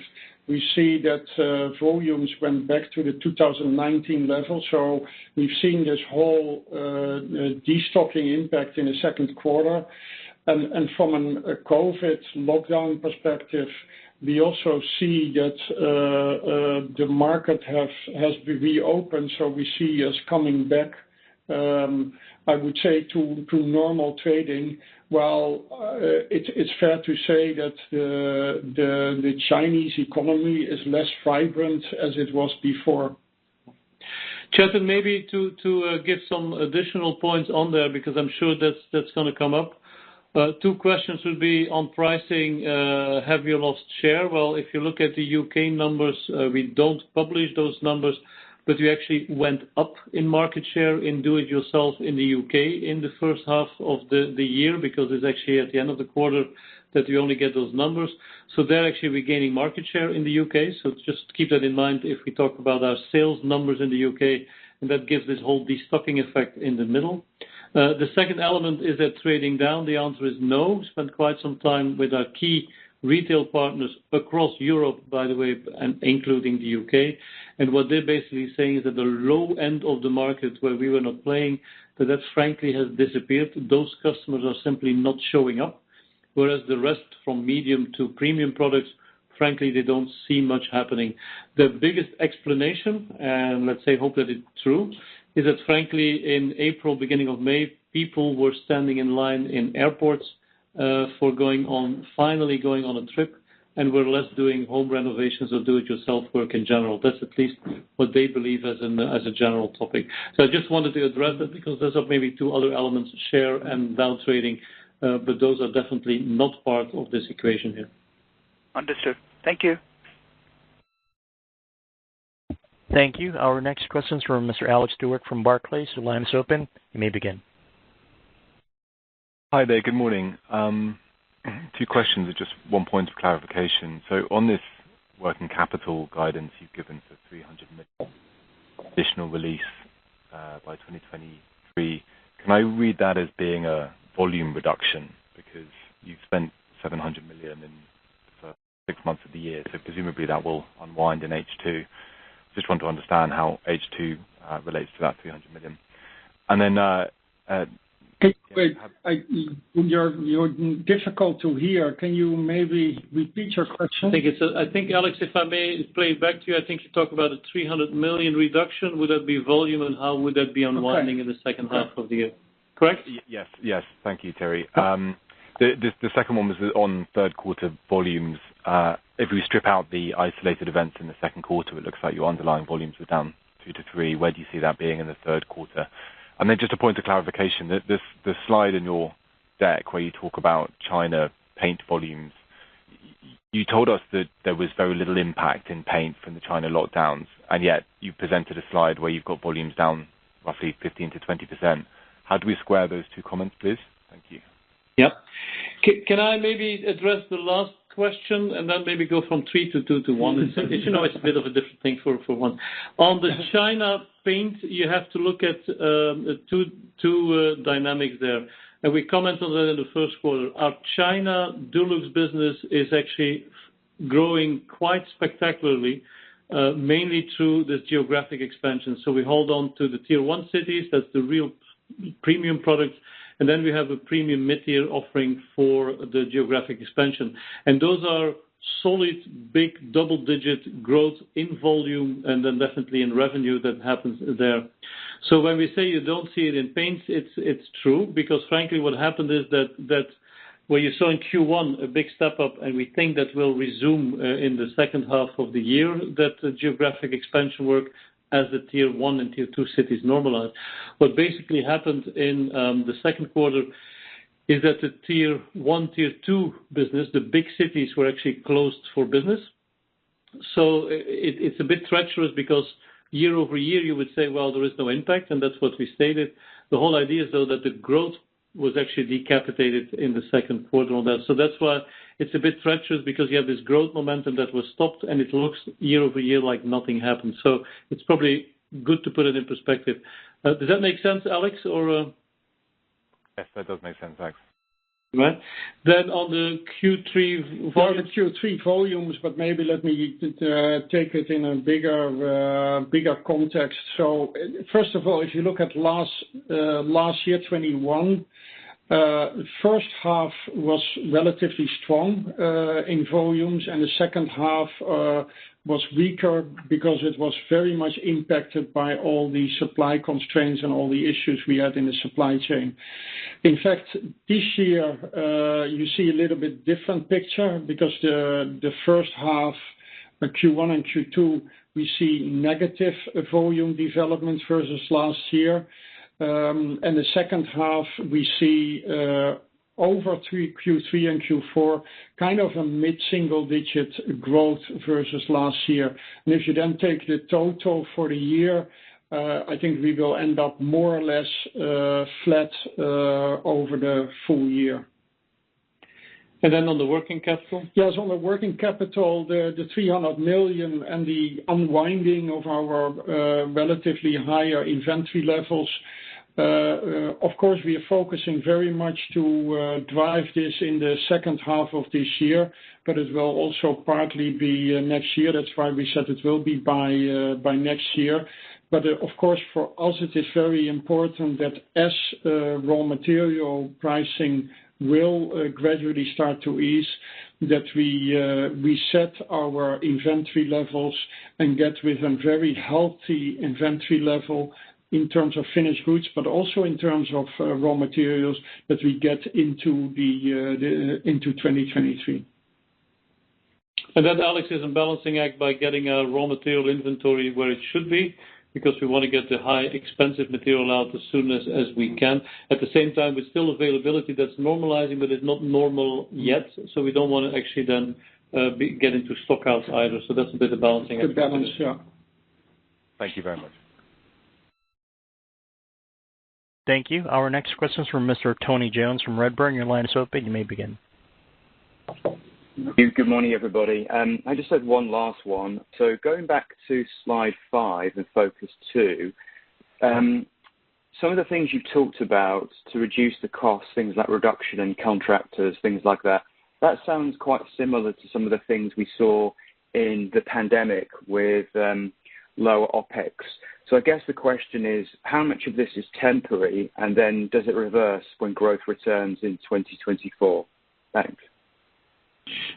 [SPEAKER 4] we see that volumes went back to the 2019 level. We've seen this whole destocking impact in the Q2. From a COVID lockdown perspective, we also see that the market has reopened. We see us coming back.
[SPEAKER 3] I would say to normal trading. It's fair to say that the Chinese economy is less vibrant as it was before. Chetan, maybe give some additional points on there, because I'm sure that's gonna come up. Two questions would be on pricing. Have you lost share? Well, if you look at the UK numbers, we don't publish those numbers, but we actually went up in market share in do it yourself in the UK in the first half of the year, because it's actually at the end of the quarter that you only get those numbers. They're actually regaining market share in the UK. Just keep that in mind if we talk about our sales numbers in the UK, and that gives this whole destocking effect in the middle. The second element, is it trading down? The answer is no. Spent quite some time with our key retail partners across Europe, by the way, and including the UK. What they're basically saying is that the low end of the market where we were not playing, that frankly has disappeared. Those customers are simply not showing up, whereas the rest from medium to premium products, frankly, they don't see much happening. The biggest explanation, and let's say hope that it's true, is that frankly, in April, beginning of May, people were standing in line in airports for finally going on a trip and were less doing home renovations or do it yourself work in general. That's at least what they believe as a general topic. I just wanted to address that because those are maybe two other elements, share and down trading, but those are definitely not part of this equation here.
[SPEAKER 10] Understood. Thank you.
[SPEAKER 1] Thank you. Our next question is from Mr. Alex Stewart from Barclays. Your line is open. You may begin.
[SPEAKER 11] Hi there. Good morning. Two questions with just one point of clarification. On this working capital guidance you've given for 300 million additional release, by 2023, can I read that as being a volume reduction? Because you've spent 700 million in the first six months of the year, so presumably that will unwind in H2. Just want to understand how H2 relates to that EUR 300 million.
[SPEAKER 3] Wait, you're difficult to hear. Can you maybe repeat your question? I think, Alex, if I may play it back to you, I think you talk about a 300 million reduction. Would that be volume, and how would that be unwinding in the second half of the year? Correct?
[SPEAKER 11] Yes, yes. Thank you, Thierry. The second one was on third quarter volumes. If we strip out the isolated events in the Q2, it looks like your underlying volumes were down 2%-3%. Where do you see that being in the Q3? Just a point of clarification. The slide in your deck where you talk about China paint volumes, you told us that there was very little impact in paint from the China lockdowns, and yet you presented a slide where you've got volumes down roughly 15%-20%. How do we square those two comments, please? Thank you.
[SPEAKER 3] Yep. Can I maybe address the last question and then maybe go from three to two to one? As you know, it's a bit of a different thing for one. On the China paints, you have to look at two dynamics there, and we commented on that in the Q1. Our China Dulux business is actually growing quite spectacularly, mainly through the geographic expansion. We hold on to the tier one cities. That's the real premium products. We have a premium mid-tier offering for the geographic expansion. Those are solid, big double-digit growth in volume and then definitely in revenue that happens there. When we say you don't see it in paints, it's true, because frankly, what happened is that where you saw in Q1 a big step up, and we think that will resume in the second half of the year, that geographic expansion work as the tier one and tier two cities normalize. What basically happened in the Q2 is that the tier one, tier two business, the big cities, were actually closed for business. It's a bit treacherous because year-over-year, you would say, "Well, there is no impact," and that's what we stated. The whole idea is, though, that the growth was actually decapitated in the Q2 on that. That's why it's a bit treacherous because you have this growth momentum that was stopped and it looks year-over-year like nothing happened. It's probably good to put it in perspective. Does that make sense, Alex? Or.
[SPEAKER 11] Yes, that does make sense. Thanks.
[SPEAKER 3] All right. On the Q3 volumes, but maybe let me take it in a bigger context. First of all, if you look at last year, 2021, first half was relatively strong in volumes, and the second half was weaker because it was very much impacted by all the supply constraints and all the issues we had in the supply chain. In fact, this year, you see a little bit different picture because the first half, Q1 and Q2, we see negative volume developments versus last year. And the second half, we see Q3 and Q4, kind of a mid-single digit growth versus last year. If you then take the total for the year, I think we will end up more or less flat over the full year. Then on the working capital? Yes, on the working capital, the 300 million and the unwinding of our relatively higher inventory levels, of course, we are focusing very much to drive this in the second half of this year, but it will also partly be next year. That's why we said it will be by next year. But of course, for us it is very important that as raw material pricing will gradually start to ease. That we set our inventory levels and get to a very healthy inventory level in terms of finished goods, but also in terms of raw materials that we get into 2023. That, Alex, is a balancing act by getting our raw material inventory where it should be, because we want to get the highly expensive material out as soon as we can. At the same time, with supply availability that's normalizing but is not normal yet, so we don't wanna actually then get into stock outs either. That's a bit of balancing act.
[SPEAKER 11] Thank you very much.
[SPEAKER 1] Thank you. Our next question is from Mr. Tony Jones from Redburn. Your line is open. You may begin.
[SPEAKER 12] Good morning, everybody. I just had one last one. Going back to slide five and Focus Two, some of the things you talked about to reduce the cost, things like reduction in contractors, things like that sounds quite similar to some of the things we saw in the pandemic with lower OpEx. I guess the question is: How much of this is temporary, and then does it reverse when growth returns in 2024? Thanks.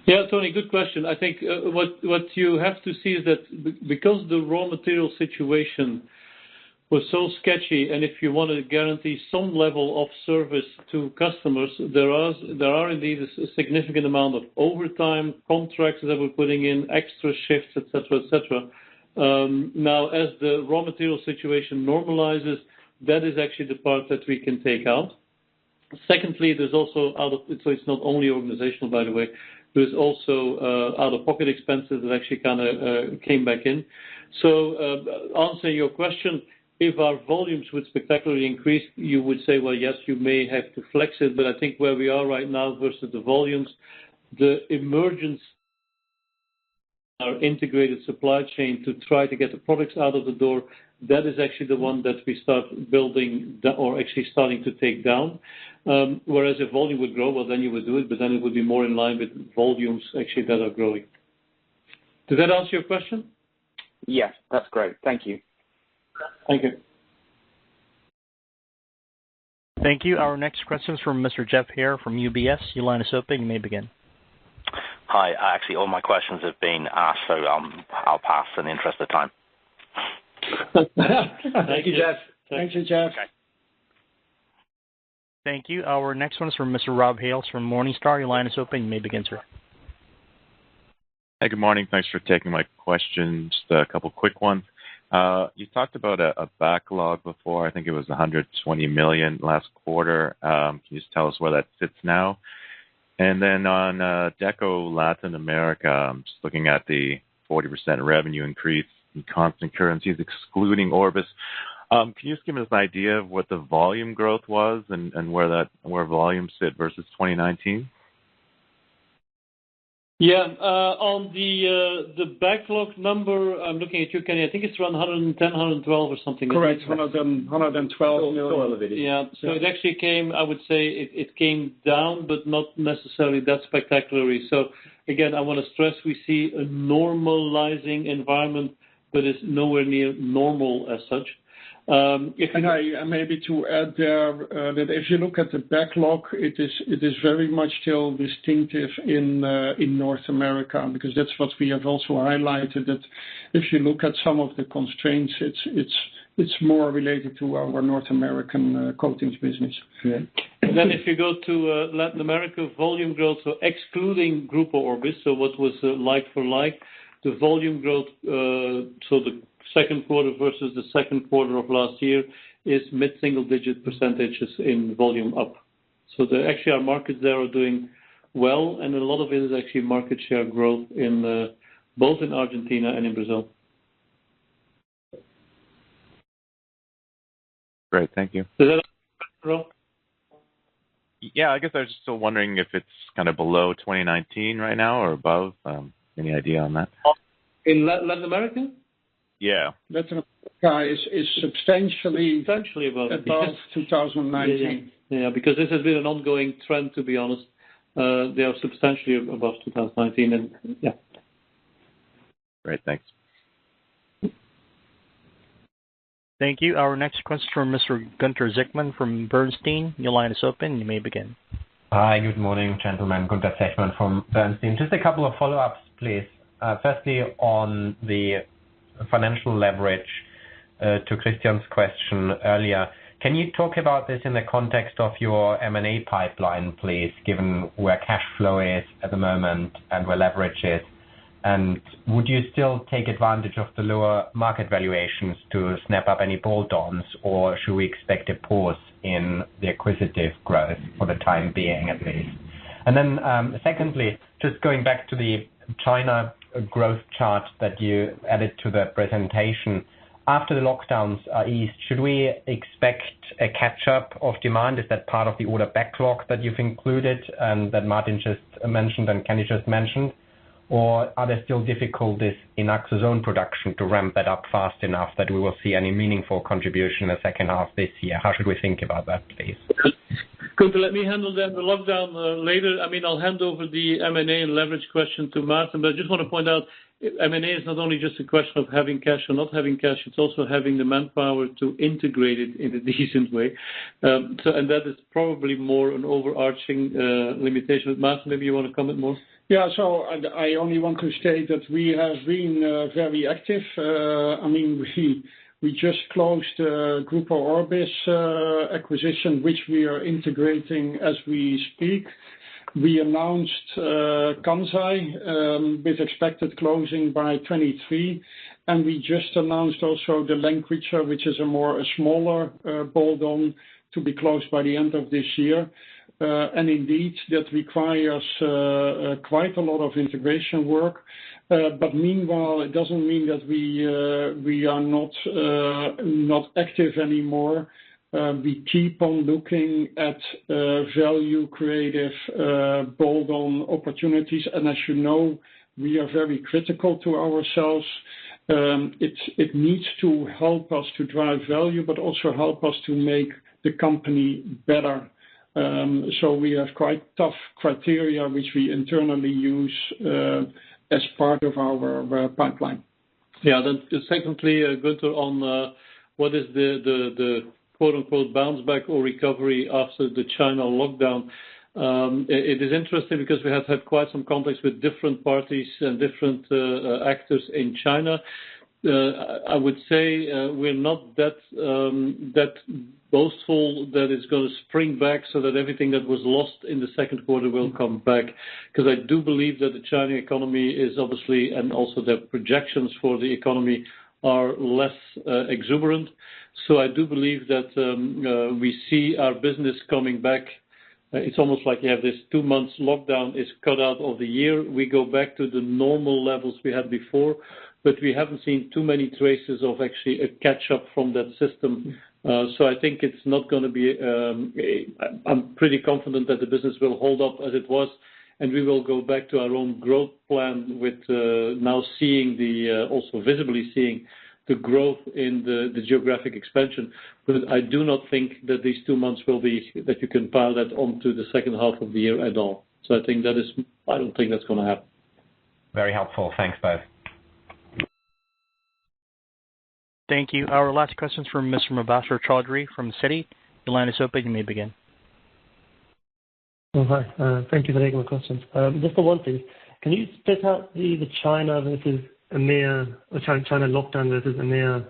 [SPEAKER 3] Yeah, Tony, good question. I think, what you have to see is that because the raw material situation was so sketchy, and if you wanna guarantee some level of service to customers, there are indeed a significant amount of overtime contracts that we're putting in, extra shifts, et cetera. Now, as the raw material situation normalizes, that is actually the part that we can take out. Secondly, there's also other. It's not only organizational, by the way. There's also out-of-pocket expenses that actually kinda came back in. Answer your question, if our volumes would spectacularly increase, you would say, well, yes, you may have to flex it, but I think where we are right now versus the volumes, the emergence of our integrated supply chain to try to get the products out of the door, that is actually the one that we start building or actually starting to take down. Whereas if volume would grow, well, then you would do it, but then it would be more in line with volumes actually that are growing. Does that answer your question?
[SPEAKER 12] Yes, that's great. Thank you.
[SPEAKER 3] Thank you.
[SPEAKER 1] Thank you. Our next question is from Mr. Geoff Haire from UBS. Your line is open. You may begin.
[SPEAKER 13] Hi. Actually, all my questions have been asked, so, I'll pass in the interest of time.
[SPEAKER 3] Thank you, Jeff. Thanks.
[SPEAKER 4] Thank you, Geoff.
[SPEAKER 13] Okay.
[SPEAKER 1] Thank you. Our next one is from Mr. Rob Hales from Morningstar. Your line is open. You may begin, sir.
[SPEAKER 14] Hey, good morning. Thanks for taking my questions. Just a couple of quick ones. You talked about a backlog before. I think it was 120 million last quarter. Can you just tell us where that sits now? Then on Deco Latin America, I'm just looking at the 40% revenue increase in constant currencies excluding Orbis. Can you just give us an idea of what the volume growth was and where volume sits versus 2019?
[SPEAKER 3] Yeah. On the backlog number, I'm looking at you, Kenny. I think it's around 110, 112 or something. Correct. 112 million. So it actually came. I would say it came down, but not necessarily that spectacularly. So again, I wanna stress we see a normalizing environment that is nowhere near normal as such. Maybe to add there, that if you look at the backlog, it is very much still distinctive in North America, because that's what we have also highlighted, that if you look at some of the constraints, it's more related to our North American coatings business. If you go to Latin America volume growth, excluding Grupo Orbis, what was like-for-like the volume growth, the Q2 versus the Q2 of last year is mid-single-digit% in volume up. Actually our markets there are doing well, and a lot of it is actually market share growth in both Argentina and Brazil.
[SPEAKER 14] Great. Thank you.
[SPEAKER 3] Does that answer your question, Rob?
[SPEAKER 14] Yeah. I guess I was just still wondering if it's kind of below 2019 right now or above. Any idea on that?
[SPEAKER 3] In Latin America?
[SPEAKER 14] Yeah.
[SPEAKER 3] Latin America is substantially above 2019. Yeah. Yeah. Because this has been an ongoing trend, to be honest. They are substantially above 2019 and yeah.
[SPEAKER 14] Great. Thanks.
[SPEAKER 1] Thank you. Our next question from Mr. Gunther Zechmann from Bernstein. Your line is open. You may begin.
[SPEAKER 15] Hi. Good morning, gentlemen. Gunther Zechmann from Bernstein. Just a couple of follow-ups, please. Firstly, on the financial leverage, to Christian's question earlier, can you talk about this in the context of your M&A pipeline, please, given where cash flow is at the moment and where leverage is? Would you still take advantage of the lower market valuations to snap up any bolt-ons, or should we expect a pause in the acquisitive growth for the time being, at least? Secondly, just going back to the China growth chart that you added to the presentation. After the lockdowns ease, should we expect a catch-up of demand? Is that part of the order backlog that you've included and that Maarten just mentioned and Kenny just mentioned? Are there still difficulties in AkzoNobel's own production to ramp that up fast enough that we will see any meaningful contribution in the second half this year? How should we think about that, please?
[SPEAKER 3] Good. Let me handle that. Later, I mean, I'll hand over the M&A and leverage question to Maarten, but I just want to point out M&A is not only just a question of having cash or not having cash, it's also having the manpower to integrate it in a decent way. That is probably more an overarching limitation. Maarten, maybe you want to comment more.
[SPEAKER 4] I only want to state that we have been very active. I mean, we just closed Grupo Orbis acquisition, which we are integrating as we speak. We announced Kansai with expected closing by 2023, and we just announced also the Lankwitzer, which is a smaller bolt-on to be closed by the end of this year. Indeed, that requires quite a lot of integration work. But meanwhile, it doesn't mean that we are not active anymore. We keep on looking at value-creating bolt-on opportunities. As you know, we are very critical to ourselves. It needs to help us to drive value, but also help us to make the company better. We have quite tough criteria which we internally use, as part of our pipeline.
[SPEAKER 3] Yeah. Secondly, Gunther, on what is the quote-unquote bounce back or recovery after the China lockdown? It is interesting because we have had quite some contacts with different parties and different actors in China. I would say we're not that boastful that it's gonna spring back so that everything that was lost in the Q2 will come back. Because I do believe that the Chinese economy is obviously, and also the projections for the economy are less exuberant. I do believe that we see our business coming back. It's almost like you have this two months lockdown is cut out of the year. We go back to the normal levels we had before, but we haven't seen too many traces of actually a catch-up from that system. I think it's not gonna be. I'm pretty confident that the business will hold up as it was, and we will go back to our own growth plan with now seeing the also visibly seeing the growth in the geographic expansion. I do not think that you can pile that onto the second half of the year at all. I think that is. I don't think that's gonna happen.
[SPEAKER 15] Very helpful. Thanks, both.
[SPEAKER 1] Thank you. Our last question is from Mr. Mubasher Chaudhri from Citigroup. Your line is open. You may begin.
[SPEAKER 10] Hi. Thank you for taking my questions. Just for one thing, can you split out the China versus EMEA or China lockdown versus EMEA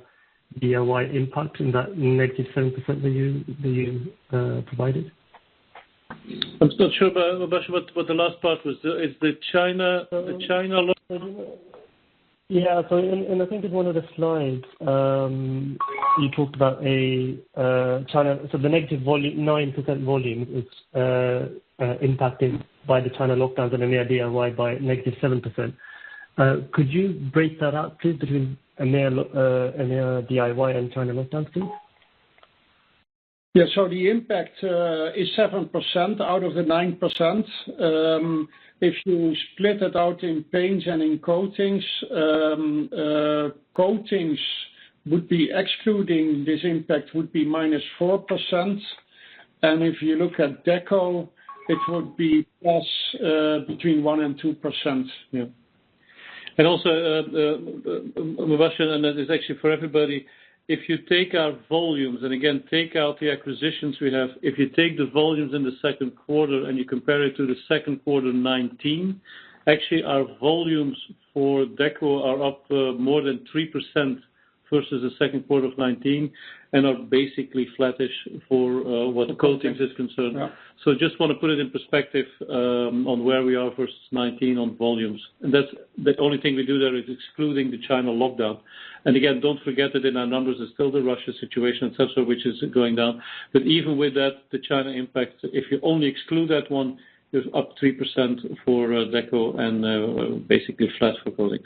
[SPEAKER 10] DIY impact in that negative 7% that you provided?
[SPEAKER 4] I'm still not sure, Mubasher, what the last part was. Is the China lockdown?
[SPEAKER 10] I think in one of the slides, you talked about China. The negative 9% volume is impacted by the China lockdowns and EMEA DIY by negative 7%. Could you break that out, please, between EMEA DIY and China lockdowns, please?
[SPEAKER 4] Yeah. The impact is 7% out of the 9%. If you split it out in paints and in coatings, excluding this impact, would be -4%. If you look at Deco, it would be +1%-2%. Yeah.
[SPEAKER 3] Also, Mubasher, and that is actually for everybody. If you take our volumes, and again, take out the acquisitions we have. If you take the volumes in the Q2 and you compare it to the Q2 2019, actually, our volumes for Deco are up more than 3% versus the Q2 of 2019 and are basically flattish for where the coatings is concerned.
[SPEAKER 4] Yeah.
[SPEAKER 3] Just want to put it in perspective on where we are versus 2019 on volumes. That's the only thing we do there is excluding the China lockdown. Again, don't forget that in our numbers, there's still the Russia situation, etc., which is going down. Even with that, the China impact, if you only exclude that one, is up 3% for Deco and basically flat for coatings.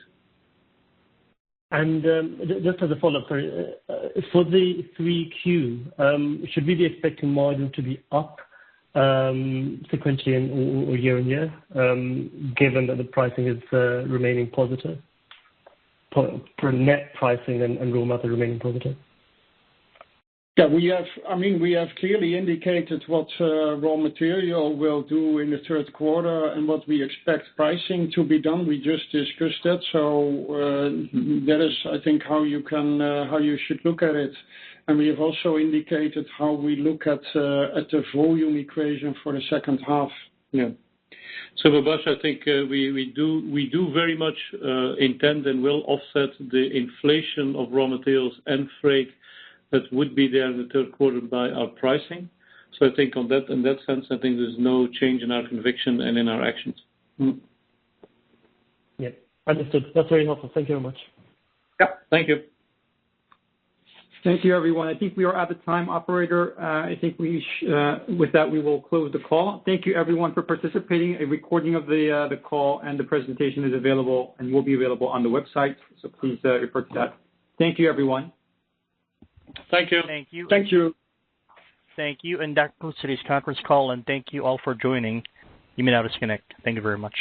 [SPEAKER 10] Just as a follow-up, for the 3Q, should we be expecting margin to be up sequentially or year-on-year, given that the pricing is remaining positive? For net pricing and raw material remaining positive.
[SPEAKER 4] Yeah, I mean, we have clearly indicated what raw material will do in the Q3 and what we expect pricing to be done. We just discussed that. That is, I think, how you should look at it. We have also indicated how we look at the volume equation for the second half.
[SPEAKER 3] Yeah. Mubasher, I think, we do very much intend and will offset the inflation of raw materials and freight that would be there in the Q3 by our pricing. I think on that, in that sense, I think there's no change in our conviction and in our actions.
[SPEAKER 10] Yeah. Understood. That's very helpful. Thank you very much.
[SPEAKER 4] Yeah, thank you.
[SPEAKER 3] Thank you, everyone. I think we are out of time, operator. With that, we will close the call. Thank you, everyone, for participating. A recording of the call and the presentation is available and will be available on the website. Please, refer to that. Thank you, everyone.
[SPEAKER 4] Thank you.
[SPEAKER 10] Thank you.
[SPEAKER 3] Thank you.
[SPEAKER 1] Thank you. That concludes today's conference call, and thank you all for joining. You may now disconnect. Thank you very much.